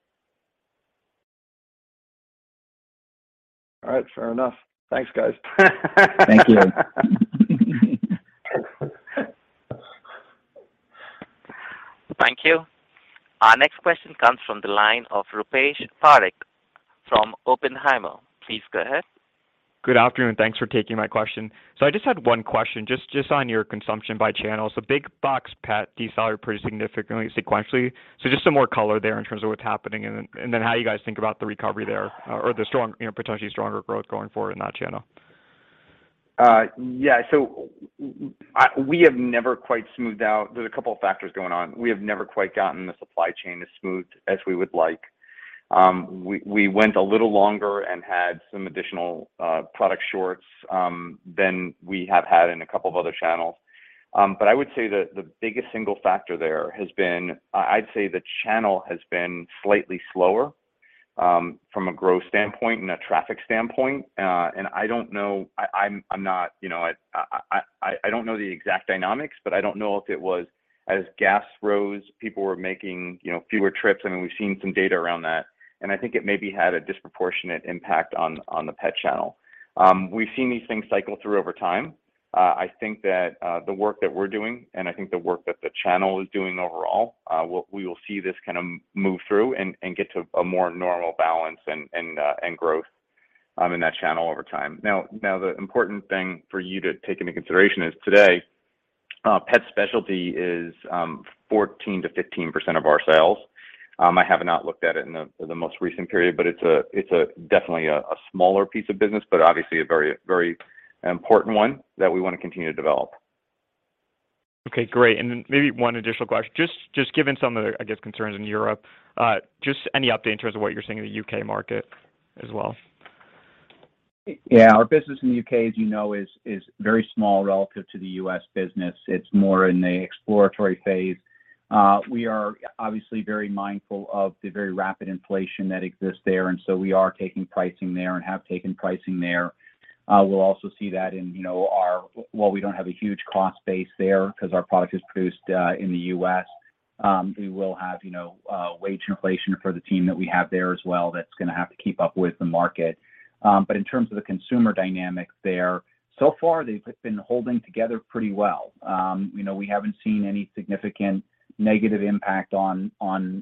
All right. Fair enough. Thanks, guys. Thank you. Thank you. Our next question comes from the line of Rupesh Parikh from Oppenheimer. Please go ahead. Good afternoon. Thanks for taking my question. I just had one question, just on your consumption by channels. The Big Box Pet decelerated pretty significantly sequentially. Just some more color there in terms of what's happening and then how you guys think about the recovery there or the strong, you know, potentially stronger growth going forward in that channel. Yeah. So we have never quite smoothed out. There's a couple of factors going on. We have never quite gotten the supply chain as smooth as we would like. We went a little longer and had some additional product shorts than we have had in a couple of other channels. I would say that the biggest single factor there has been. I'd say the channel has been slightly slower from a growth standpoint and a traffic standpoint. I don't know. I'm not, you know, I don't know the exact dynamics, but I don't know if it was as gas prices rose, people were making, you know, fewer trips. I mean, we've seen some data around that, and I think it maybe had a disproportionate impact on the pet channel. We've seen these things cycle through over time. I think that the work that we're doing, and I think the work that the channel is doing overall, what we will see this kind of move through and growth in that channel over time. Now, the important thing for you to take into consideration is today, pet specialty is 14%-15% of our sales. I have not looked at it in the most recent period, but it's definitely a smaller piece of business, but obviously a very important one that we wanna continue to develop. Okay, great. Maybe one additional question. Just given some of the, I guess, concerns in Europe, just any update in terms of what you're seeing in the U.K. market as well? Yeah. Our business in the U.K., as you know, is very small relative to the U.S. business. It's more in the exploratory phase. We are obviously very mindful of the very rapid inflation that exists there, and so we are taking pricing there and have taken pricing there. We'll also see that while we don't have a huge cost base there 'cause our product is produced in the U.S., we will have, you know, wage inflation for the team that we have there as well that's gonna have to keep up with the market. In terms of the consumer dynamics there, so far they've been holding together pretty well. You know, we haven't seen any significant negative impact on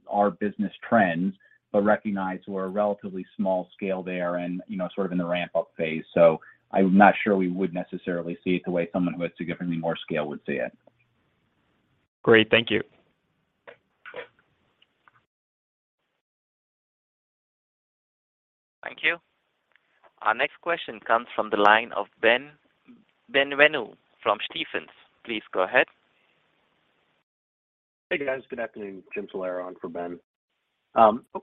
our business trends, but recognize we're a relatively small scale there and, you know, sort of in the ramp-up phase. I'm not sure we would necessarily see it the way someone who has significantly more scale would see it. Great. Thank you. Thank you. Our next question comes from the line of Ben Bienvenu from Stephens. Please go ahead. Hey, guys. Good afternoon. Jim Salera on for Ben.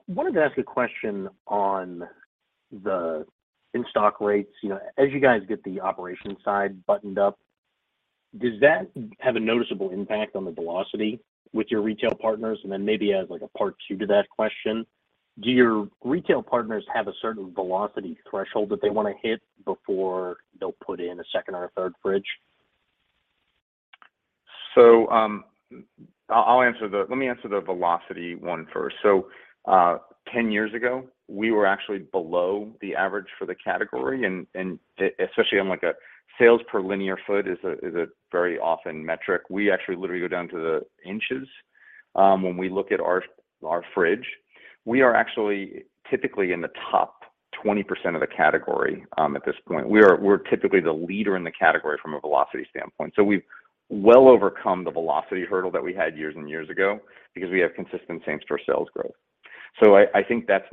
Wanted to ask a question on the in-stock rates. You know, as you guys get the operations side buttoned up, does that have a noticeable impact on the velocity with your retail partners? Maybe as like a part two to that question, do your retail partners have a certain velocity threshold that they wanna hit before they'll put in a second or a third fridge? Let me answer the velocity one first. Ten years ago, we were actually below the average for the category, and especially on, like, sales per linear foot, which is a very common metric. We actually literally go down to the inches when we look at our fridge. We are actually typically in the top 20% of the category at this point. We're typically the leader in the category from a velocity standpoint. We've well overcome the velocity hurdle that we had years and years ago because we have consistent same-store sales growth. I think that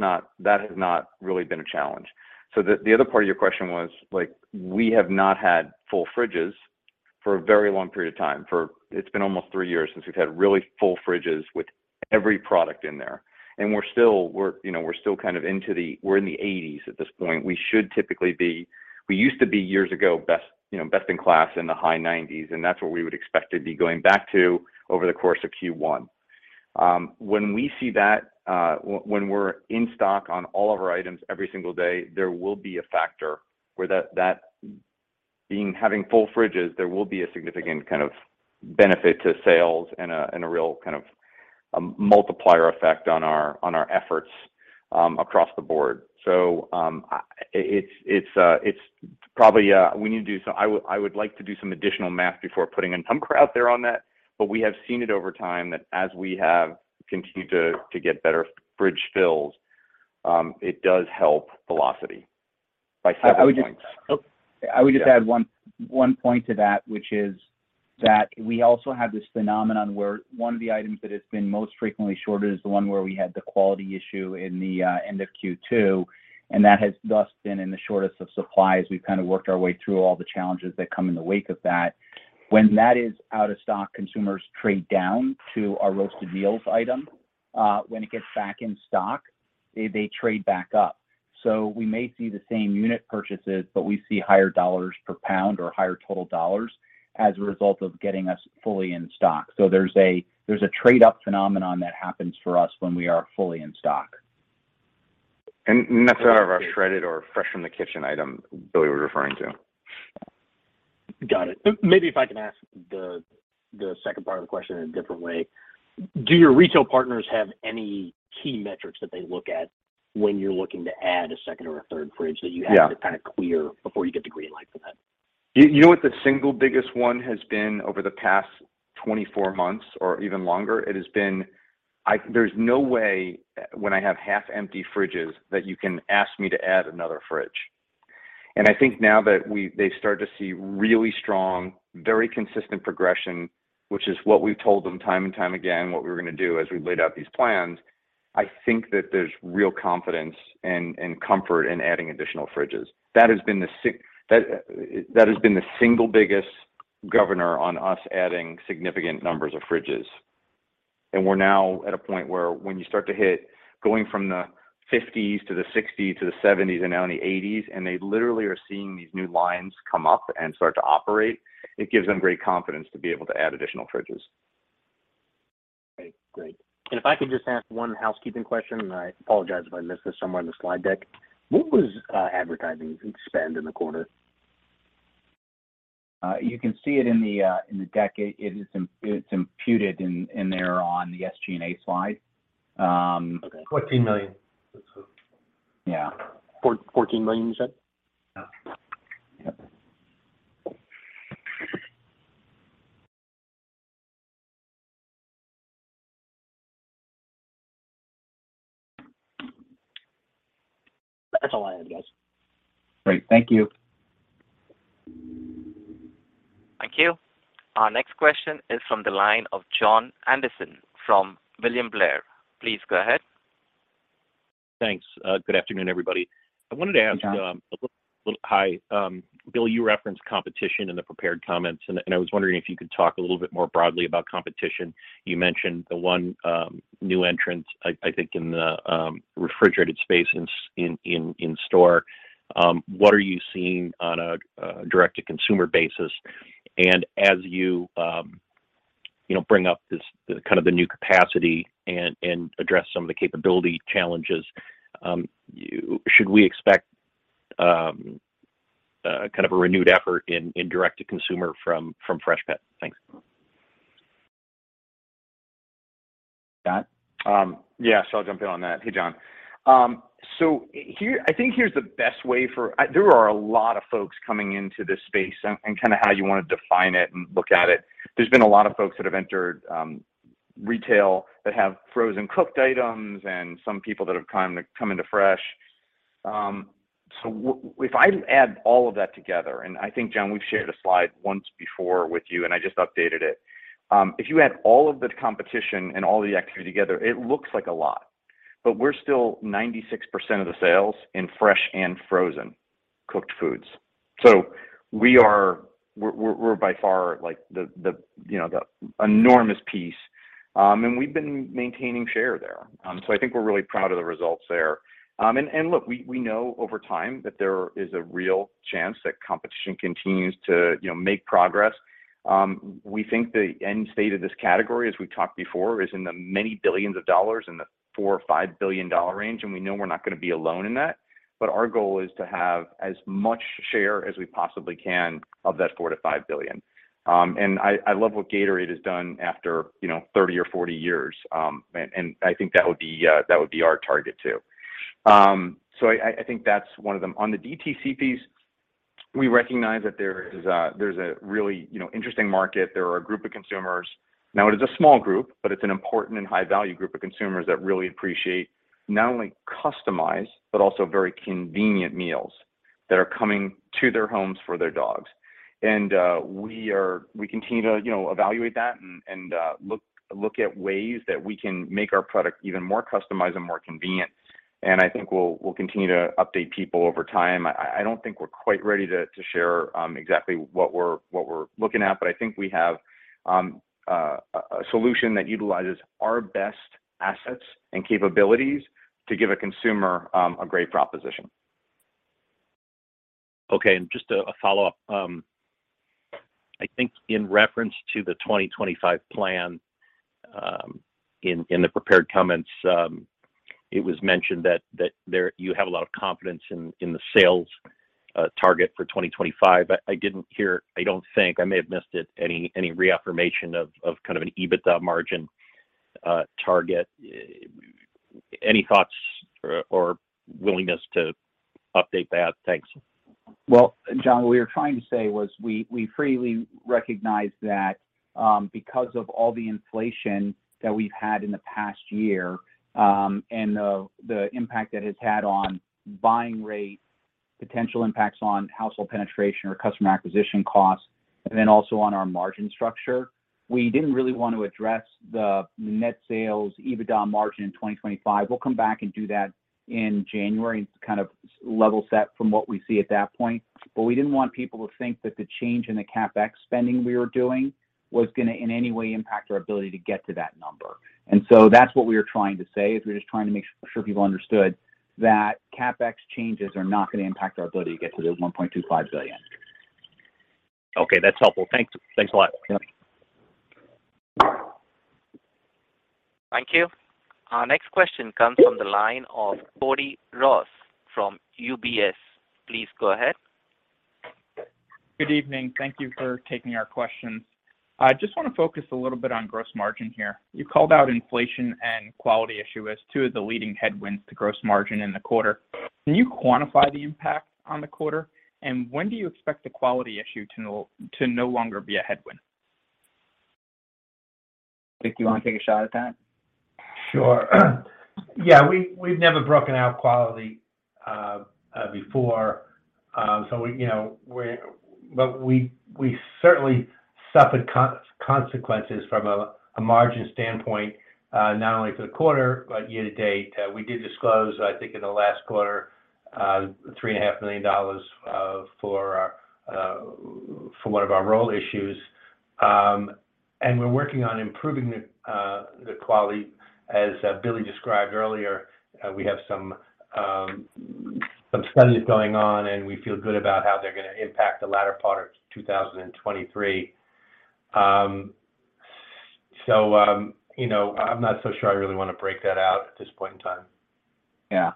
has not really been a challenge. The other part of your question was, like, we have not had full fridges for a very long period of time. It's been almost 3 years since we've had really full fridges with every product in there. We're still, you know, kind of in the 80s at this point. We used to be years ago, best, you know, best in class in the high 90s, and that's what we would expect to be going back to over the course of Q1. When we see that, when we're in stock on all of our items every single day, there will be a factor where that being having full fridges, there will be a significant kind of benefit to sales and a real kind of multiplier effect on our efforts across the board. It's probably we need to do. I would like to do some additional math before putting a number out there on that. We have seen it over time that as we have continued to get better fridge fills, it does help velocity by several points. I would just. I would just add one point to that, which is that we also have this phenomenon where one of the items that has been most frequently shorted is the one where we had the quality issue in the end of Q2, and that has thus been in the shortest of supply as we've kind of worked our way through all the challenges that come in the wake of that. When that is out of stock, consumers trade down to our Roasted Meals item. When it gets back in stock, they trade back up. So we may see the same unit purchases, but we see higher dollars per pound or higher total dollars as a result of getting us fully in stock. So there's a trade-up phenomenon that happens for us when we are fully in stock. That's one of our shredded or Fresh From The Kitchen item Billy was referring to. Got it. Maybe if I can ask the second part of the question in a different way. Do your retail partners have any key metrics that they look at when you're looking to add a second or a third fridge that you. Yeah Have to kind of clear before you get the green light for that? You know what the single biggest one has been over the past 24 months or even longer? It has been, "There's no way when I have half empty fridges that you can ask me to add another fridge." I think now that they start to see really strong, very consistent progression, which is what we've told them time and time again, what we're gonna do as we laid out these plans. I think that there's real confidence and comfort in adding additional fridges. That has been the single biggest governor on us adding significant numbers of fridges. We're now at a point where when you start to hit going from the 50s to the 60s to the 70s and now in the 80s, and they literally are seeing these new lines come up and start to operate, it gives them great confidence to be able to add additional fridges. Great. If I could just ask one housekeeping question, and I apologize if I missed this somewhere in the slide deck. What was advertising spend in the quarter? You can see it in the deck. It's imputed in there on the SG&A slide. Okay. $14 million. Yeah. $14 million, you said? Yeah. That's all I have, guys. Great. Thank you. Thank you. Our next question is from the line of Jon Andersen from William Blair. Please go ahead. Thanks. Good afternoon, everybody. Hey, Jon. Hi. Bill, you referenced competition in the prepared comments, and I was wondering if you could talk a little bit more broadly about competition. You mentioned the one new entrant, I think in the refrigerated space in-store. What are you seeing on a direct-to-consumer basis? And as you know bring up this the kind of the new capacity and address some of the capability challenges, should we expect a kind of a renewed effort in direct-to-consumer from Freshpet? Thanks. Scott? Yeah, I'll jump in on that. Hey, Jon. I think here's the best way for. There are a lot of folks coming into this space and kind of how you wanna define it and look at it. There's been a lot of folks that have entered retail that have frozen cooked items and some people that have come into fresh. If I add all of that together, and I think, Jon, we've shared a slide once before with you, and I just updated it. If you add all of the competition and all the activity together, it looks like a lot. We're still 96% of the sales in fresh and frozen cooked foods. We are, we're by far like the you know the enormous piece. We've been maintaining share there. I think we're really proud of the results there. Look, we know over time that there is a real chance that competition continues to, you know, make progress. We think the end state of this category, as we've talked before, is in the many billions of dollars, in the $4 billion-$5 billion range, and we know we're not gonna be alone in that. Our goal is to have as much share as we possibly can of that $4 billion-$5 billion. I love what Gatorade has done after, you know, 30 years or 40 years. I think that would be our target too. I think that's one of them. On the DTC piece, we recognize that there is a really, you know, interesting market. There are a group of consumers. Now, it is a small group, but it's an important and high value group of consumers that really appreciate not only customized, but also very convenient meals that are coming to their homes for their dogs. We continue to, you know, evaluate that and look at ways that we can make our product even more customized and more convenient. I think we'll continue to update people over time. I don't think we're quite ready to share exactly what we're looking at, but I think we have a solution that utilizes our best assets and capabilities to give a consumer a great proposition. Okay. Just a follow-up. I think in reference to the 2025 plan, in the prepared comments, it was mentioned that you have a lot of confidence in the sales target for 2025. I didn't hear, I don't think, I may have missed it, any reaffirmation of kind of an EBITDA margin target. Any thoughts or willingness to update that? Thanks. Well, Jon, what we were trying to say was we freely recognize that, because of all the inflation that we've had in the past year, and the impact that it's had on buying rates, potential impacts on household penetration or customer acquisition costs, and then also on our margin structure, we didn't really want to address the net sales EBITDA margin in 2025. We'll come back and do that in January to kind of level set from what we see at that point. We didn't want people to think that the change in the CapEx spending we were doing was gonna in any way impact our ability to get to that number. That's what we were trying to say, is we're just trying to make sure people understood that CapEx changes are not gonna impact our ability to get to those $1.25 billion. Okay, that's helpful. Thank you. Thanks a lot. Yep. Thank you. Our next question comes from the line of Cody Ross from UBS. Please go ahead. Good evening. Thank you for taking our questions. I just wanna focus a little bit on gross margin here. You called out inflation and quality issue as two of the leading headwinds to gross margin in the quarter. Can you quantify the impact on the quarter? And when do you expect the quality issue to no longer be a headwind? Dick, do you wanna take a shot at that? Sure. Yeah, we've never broken out quality before. We, you know, but we certainly suffered consequences from a margin standpoint, not only for the quarter but year-to-date. We did disclose, I think in the last quarter. $3.5 million for one of our roll issues. We're working on improving the quality. As Billy described earlier, we have some studies going on, and we feel good about how they're gonna impact the latter part of 2023. You know, I'm not so sure I really wanna break that out at this point in time. Yeah.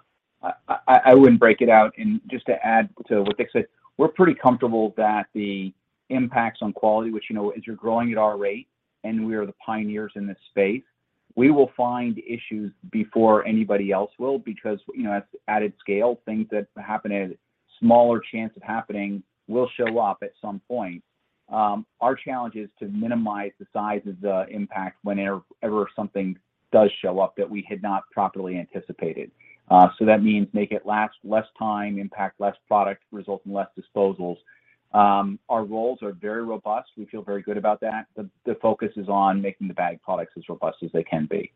I wouldn't break it out. Just to add to what Dick said, we're pretty comfortable that the impacts on quality, which, you know, as you're growing at our rate, and we are the pioneers in this space, we will find issues before anybody else will because, you know, as we add scale, things that happen at a small chance of happening will show up at some point. Our challenge is to minimize the size of the impact whenever something does show up that we had not properly anticipated. That means make it last less time, impact less product, result in less disposals. Our rolls are very robust. We feel very good about that. The focus is on making the bag products as robust as they can be.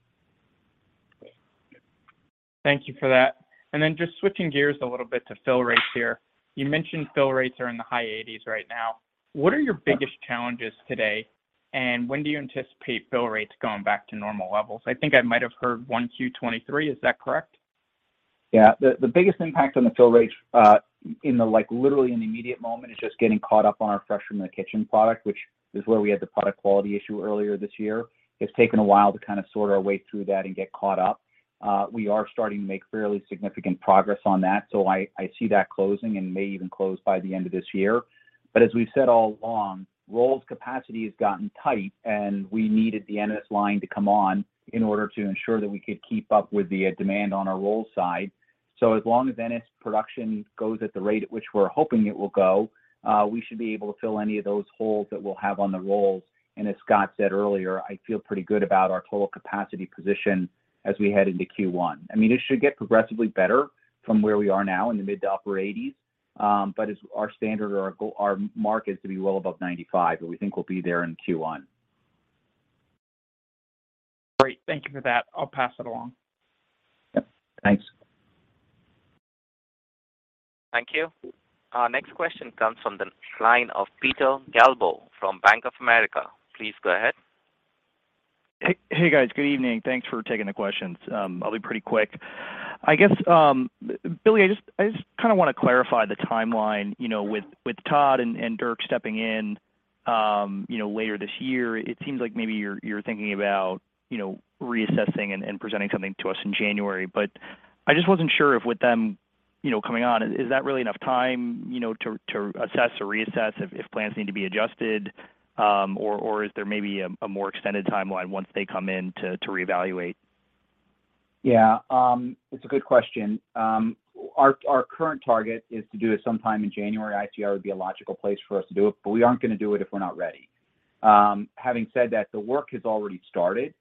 Thank you for that. Just switching gears a little bit to fill rates here. You mentioned fill rates are in the high 80s right now. What are your biggest challenges today, and when do you anticipate fill rates going back to normal levels? I think I might have heard 1Q 2023. Is that correct? Yeah. The biggest impact on the fill rates, like, literally in the immediate moment is just getting caught up on our Fresh From The Kitchen product, which is where we had the product quality issue earlier this year. It's taken a while to kind of sort our way through that and get caught up. We are starting to make fairly significant progress on that, so I see that closing and may even close by the end of this year. As we've said all along, rolls capacity has gotten tight, and we needed the Ennis line to come on in order to ensure that we could keep up with the demand on our rolls side. As long as Ennis production goes at the rate at which we're hoping it will go, we should be able to fill any of those holes that we'll have on the rolls. As Scott said earlier, I feel pretty good about our total capacity position as we head into Q1. I mean, it should get progressively better from where we are now in the mid- to upper-80s. As our standard or our goal, our mark is to be well above 95%, but we think we'll be there in Q1. Great. Thank you for that. I'll pass it along. Yep. Thanks. Thank you. Our next question comes from the line of Peter Galbo from Bank of America. Please go ahead. Hey, guys. Good evening. Thanks for taking the questions. I'll be pretty quick. I guess, Billy, I just kinda wanna clarify the timeline, you know, with Todd and Dirk stepping in, you know, later this year. It seems like maybe you're thinking about, you know, reassessing and presenting something to us in January. I just wasn't sure if with them, you know, coming on, is that really enough time, you know, to assess or reassess if plans need to be adjusted? Or is there maybe a more extended timeline once they come in to reevaluate? Yeah. It's a good question. Our current target is to do it sometime in January, would be a logical place for us to do it, but we aren't gonna do it if we're not ready. Having said that, the work has already started,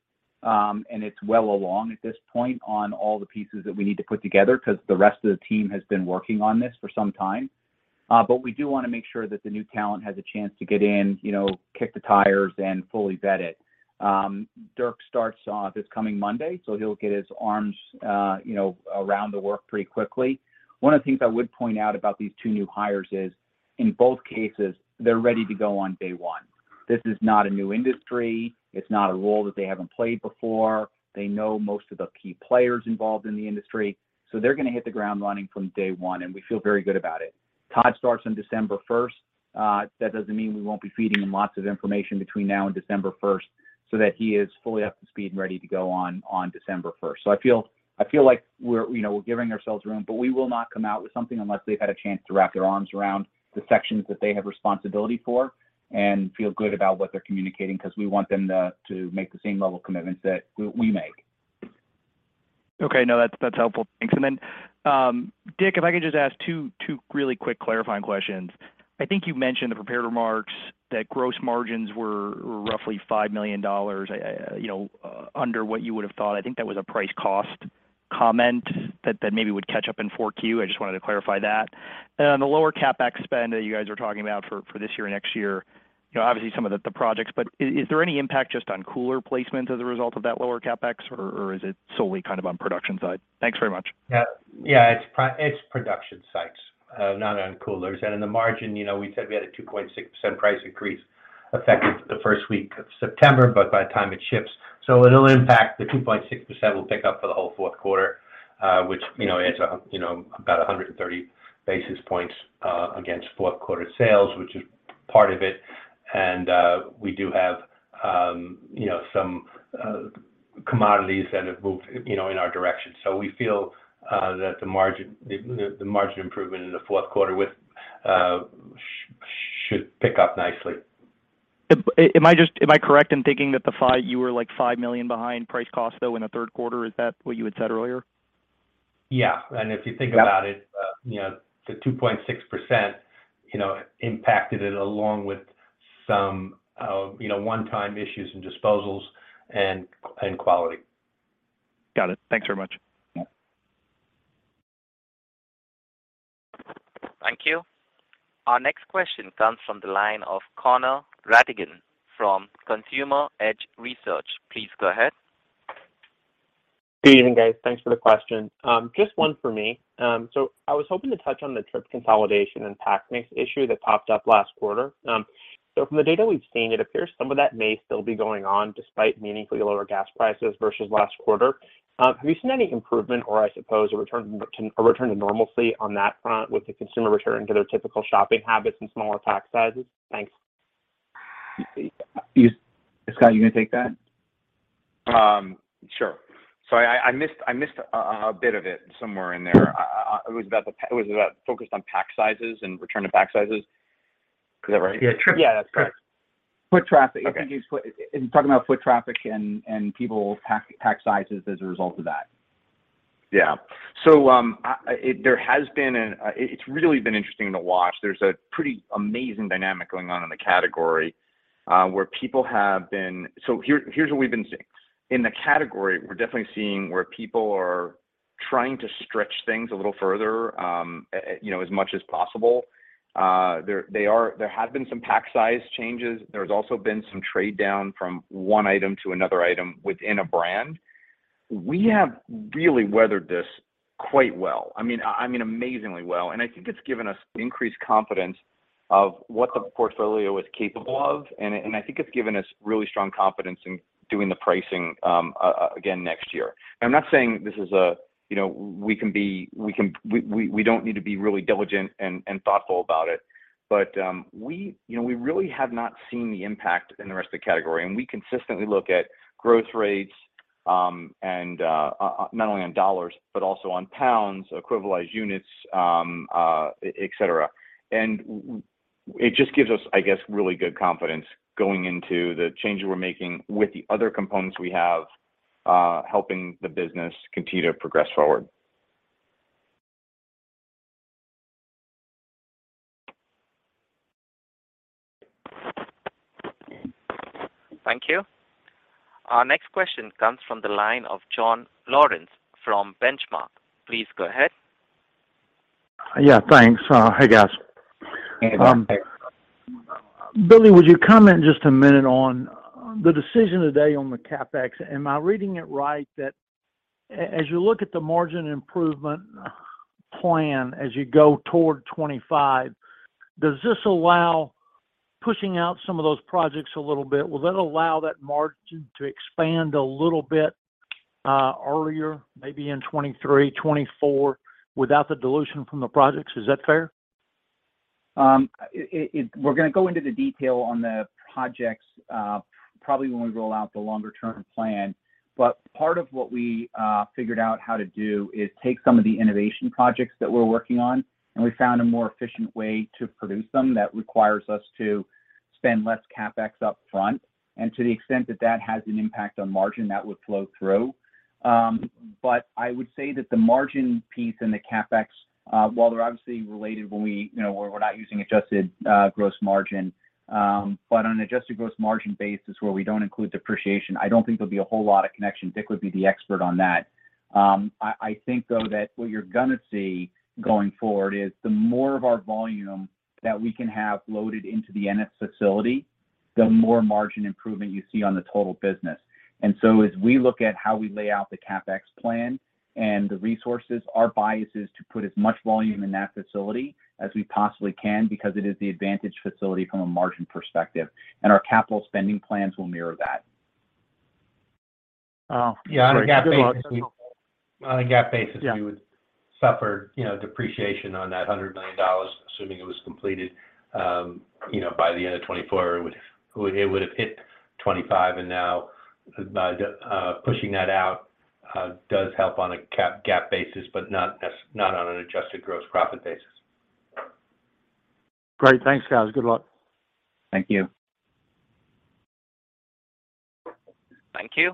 and it's well along at this point on all the pieces that we need to put together because the rest of the team has been working on this for some time. We do wanna make sure that the new talent has a chance to get in, you know, kick the tires and fully vet it. Dirk starts this coming Monday, so he'll get his arms, you know, around the work pretty quickly. One of the things I would point out about these two new hires is, in both cases, they're ready to go on day one. This is not a new industry. It's not a role that they haven't played before. They know most of the key players involved in the industry. They're gonna hit the ground running from day one, and we feel very good about it. Todd starts on December 1st. That doesn't mean we won't be feeding him lots of information between now and December 1st so that he is fully up to speed and ready to go on December 1st. I feel like we're, you know, we're giving ourselves room, but we will not come out with something unless they've had a chance to wrap their arms around the sections that they have responsibility for and feel good about what they're communicating because we want them to make the same level of commitments that we make. Okay. No, that's helpful. Thanks. Dick, if I could just ask two really quick clarifying questions. I think you mentioned in the prepared remarks that gross margins were roughly $5 million under what you would have thought. I think that was a price cost comment that maybe would catch up in 4Q. I just wanted to clarify that. On the lower CapEx spend that you guys are talking about for this year or next year, you know, obviously some of the projects, but is there any impact just on cooler placement as a result of that lower CapEx, or is it solely kind of on production side? Thanks very much. Yeah. It's production sites, not on coolers. In the margin, you know, we said we had a 2.6% price increase effective the first week of September, but by the time it ships. It'll impact the 2.6% will pick up for the whole fourth quarter, which, you know, adds up, you know, about 130 basis points against fourth quarter sales, which is part of it. We do have, you know, some commodities that have moved, you know, in our direction. We feel that the margin improvement in the fourth quarter should pick up nicely. Am I correct in thinking that you were, like, $5 million behind price cost though in the third quarter? Is that what you had said earlier? Yeah. If you think about it. You know, the 2.6%, you know, impacted it along with some, you know, one-time issues and disposals and quality. Got it. Thanks very much. Thank you. Our next question comes from the line of Connor Rattigan from Consumer Edge Research. Please go ahead. Good evening, guys. Thanks for the question. Just one for me. I was hoping to touch on the trip consolidation and pack mix issue that popped up last quarter. From the data we've seen, it appears some of that may still be going on despite meaningfully lower gas prices versus last quarter. Have you seen any improvement or I suppose, a return to normalcy on that front with the consumer returning to their typical shopping habits and smaller pack sizes? Thanks. You, Scott, you gonna take that? I missed a bit of it somewhere in there. It was about focused on pack sizes and return to pack sizes. Is that right? Yeah, Foot traffic. Yeah, that's correct. Foot traffic. I think he's talking about foot traffic and people pack sizes as a result of that. It's really been interesting to watch. There's a pretty amazing dynamic going on in the category where people have been. Here's what we've been seeing. In the category, we're definitely seeing where people are trying to stretch things a little further, you know, as much as possible. There have been some pack size changes. There's also been some trade down from one item to another item within a brand. We have really weathered this quite well. I mean amazingly well. I think it's given us increased confidence of what the portfolio is capable of, and I think it's given us really strong confidence in doing the pricing again next year. I'm not saying this is, you know, we can be. We don't need to be really diligent and thoughtful about it. We, you know, we really have not seen the impact in the rest of the category. We consistently look at growth rates and not only on dollars, but also on pounds, equivalized units, et cetera. It just gives us, I guess, really good confidence going into the changes we're making with the other components we have, helping the business continue to progress forward. Thank you. Our next question comes from the line of Jonathan Lawrence from Benchmark. Please go ahead. Yeah, thanks. Hey, guys. Hey. Hey. Billy, would you comment just a minute on the decision today on the CapEx? Am I reading it right that as you look at the margin improvement plan as you go toward 2025, does this allow pushing out some of those projects a little bit? Will that allow that margin to expand a little bit earlier, maybe in 2023, 2024 without the dilution from the projects? Is that fair? We're gonna go into the detail on the projects, probably when we roll out the longer term plan. Part of what we figured out how to do is take some of the innovation projects that we're working on, and we found a more efficient way to produce them that requires us to spend less CapEx up front. To the extent that that has an impact on margin, that would flow through. I would say that the margin piece and the CapEx, while they're obviously related when we, you know, we're not using adjusted gross margin, but on an adjusted gross margin basis where we don't include depreciation, I don't think there'll be a whole lot of connection. Dick would be the expert on that. I think, though, that what you're gonna see going forward is the more of our volume that we can have loaded into the Ennis facility, the more margin improvement you see on the total business. As we look at how we lay out the CapEx plan and the resources, our bias is to put as much volume in that facility as we possibly can because it is the advantage facility from a margin perspective, and our capital spending plans will mirror that. Oh, great. Good luck. Yeah, on a GAAP basis we. We would suffer, you know, depreciation on that $100 million, assuming it was completed by the end of 2024. It would have hit 2025 and now by pushing that out does help on a GAAP basis, but not on an adjusted gross profit basis. Great. Thanks, guys. Good luck. Thank you. Thank you.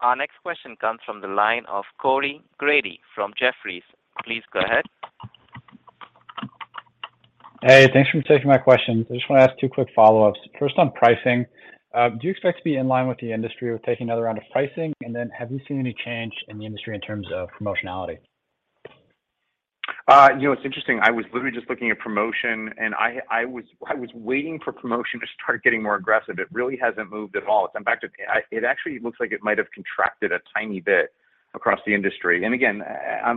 Our next question comes from the line of Corey Grady from Jefferies. Please go ahead. Hey, thanks for taking my questions. I just wanna ask two quick follow-ups. First, on pricing, do you expect to be in line with the industry with taking another round of pricing? Have you seen any change in the industry in terms of promotionality? You know, it's interesting. I was literally just looking at promotion, and I was waiting for promotion to start getting more aggressive. It really hasn't moved at all. In fact, it actually looks like it might have contracted a tiny bit across the industry. Again,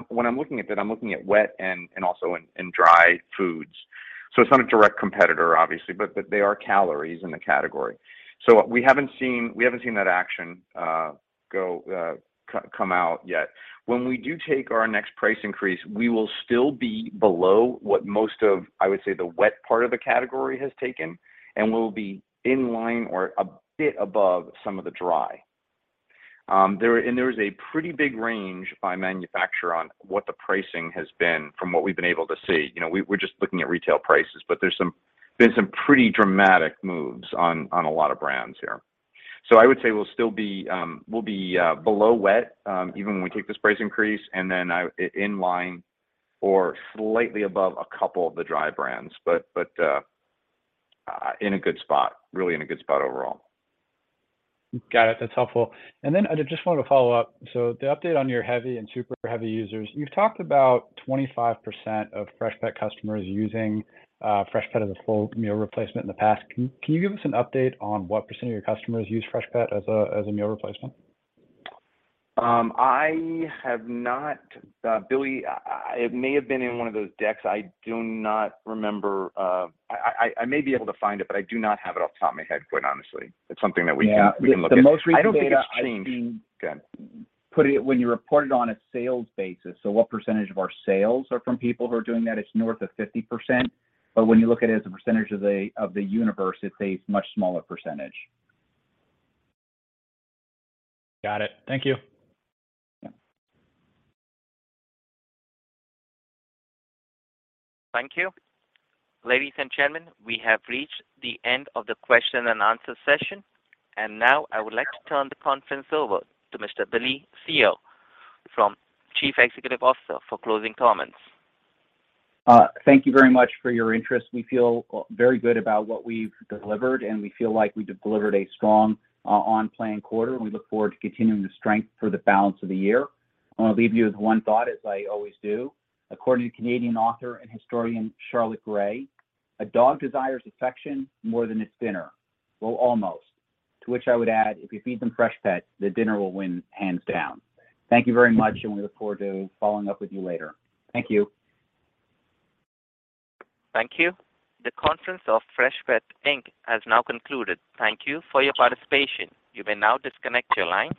when I'm looking at that, I'm looking at wet and also in dry foods. It's not a direct competitor, obviously, but they are calories in the category. We haven't seen that action come out yet. When we do take our next price increase, we will still be below what most of, I would say, the wet part of the category has taken and will be in line or a bit above some of the dry. There is a pretty big range by manufacturer on what the pricing has been from what we've been able to see. You know, we're just looking at retail prices, but there's been some pretty dramatic moves on a lot of brands here. I would say we'll still be below wet even when we take this price increase and then in line or slightly above a couple of the dry brands, but in a good spot, really in a good spot overall. Got it. That's helpful. I just wanted to follow up. The update on your heavy and super heavy users, you've talked about 25% of Freshpet customers using Freshpet as a full meal replacement in the past. Can you give us an update on what percent of your customers use Freshpet as a meal replacement? Billy, it may have been in one of those decks. I do not remember. I may be able to find it, but I do not have it off the top of my head, quite honestly. It's something that we can. Yeah. We can look at. The most recent data I've seen. I don't think it's changed. Go ahead. When you report it on a sales basis, so what percentage of our sales are from people who are doing that, it's north of 50%. When you look at it as a percentage of the universe, it's a much smaller percentage. Got it. Thank you. Yeah. Thank you. Ladies and gentlemen, we have reached the end of the question and answer session. Now I would like to turn the conference over to Mr. Billy Cyr, Chief Executive Officer, for closing comments. Thank you very much for your interest. We feel very good about what we've delivered, and we feel like we delivered a strong on-plan quarter. We look forward to continuing the strength for the balance of the year. I wanna leave you with one thought as I always do. According to Canadian author and historian Charlotte Gray, "A dog desires affection more than its dinner." Well, almost. To which I would add, if you feed them Freshpet, the dinner will win hands down. Thank you very much, and we look forward to following up with you later. Thank you. Thank you. The conference for Freshpet, Inc. has now concluded. Thank you for your participation. You may now disconnect your line.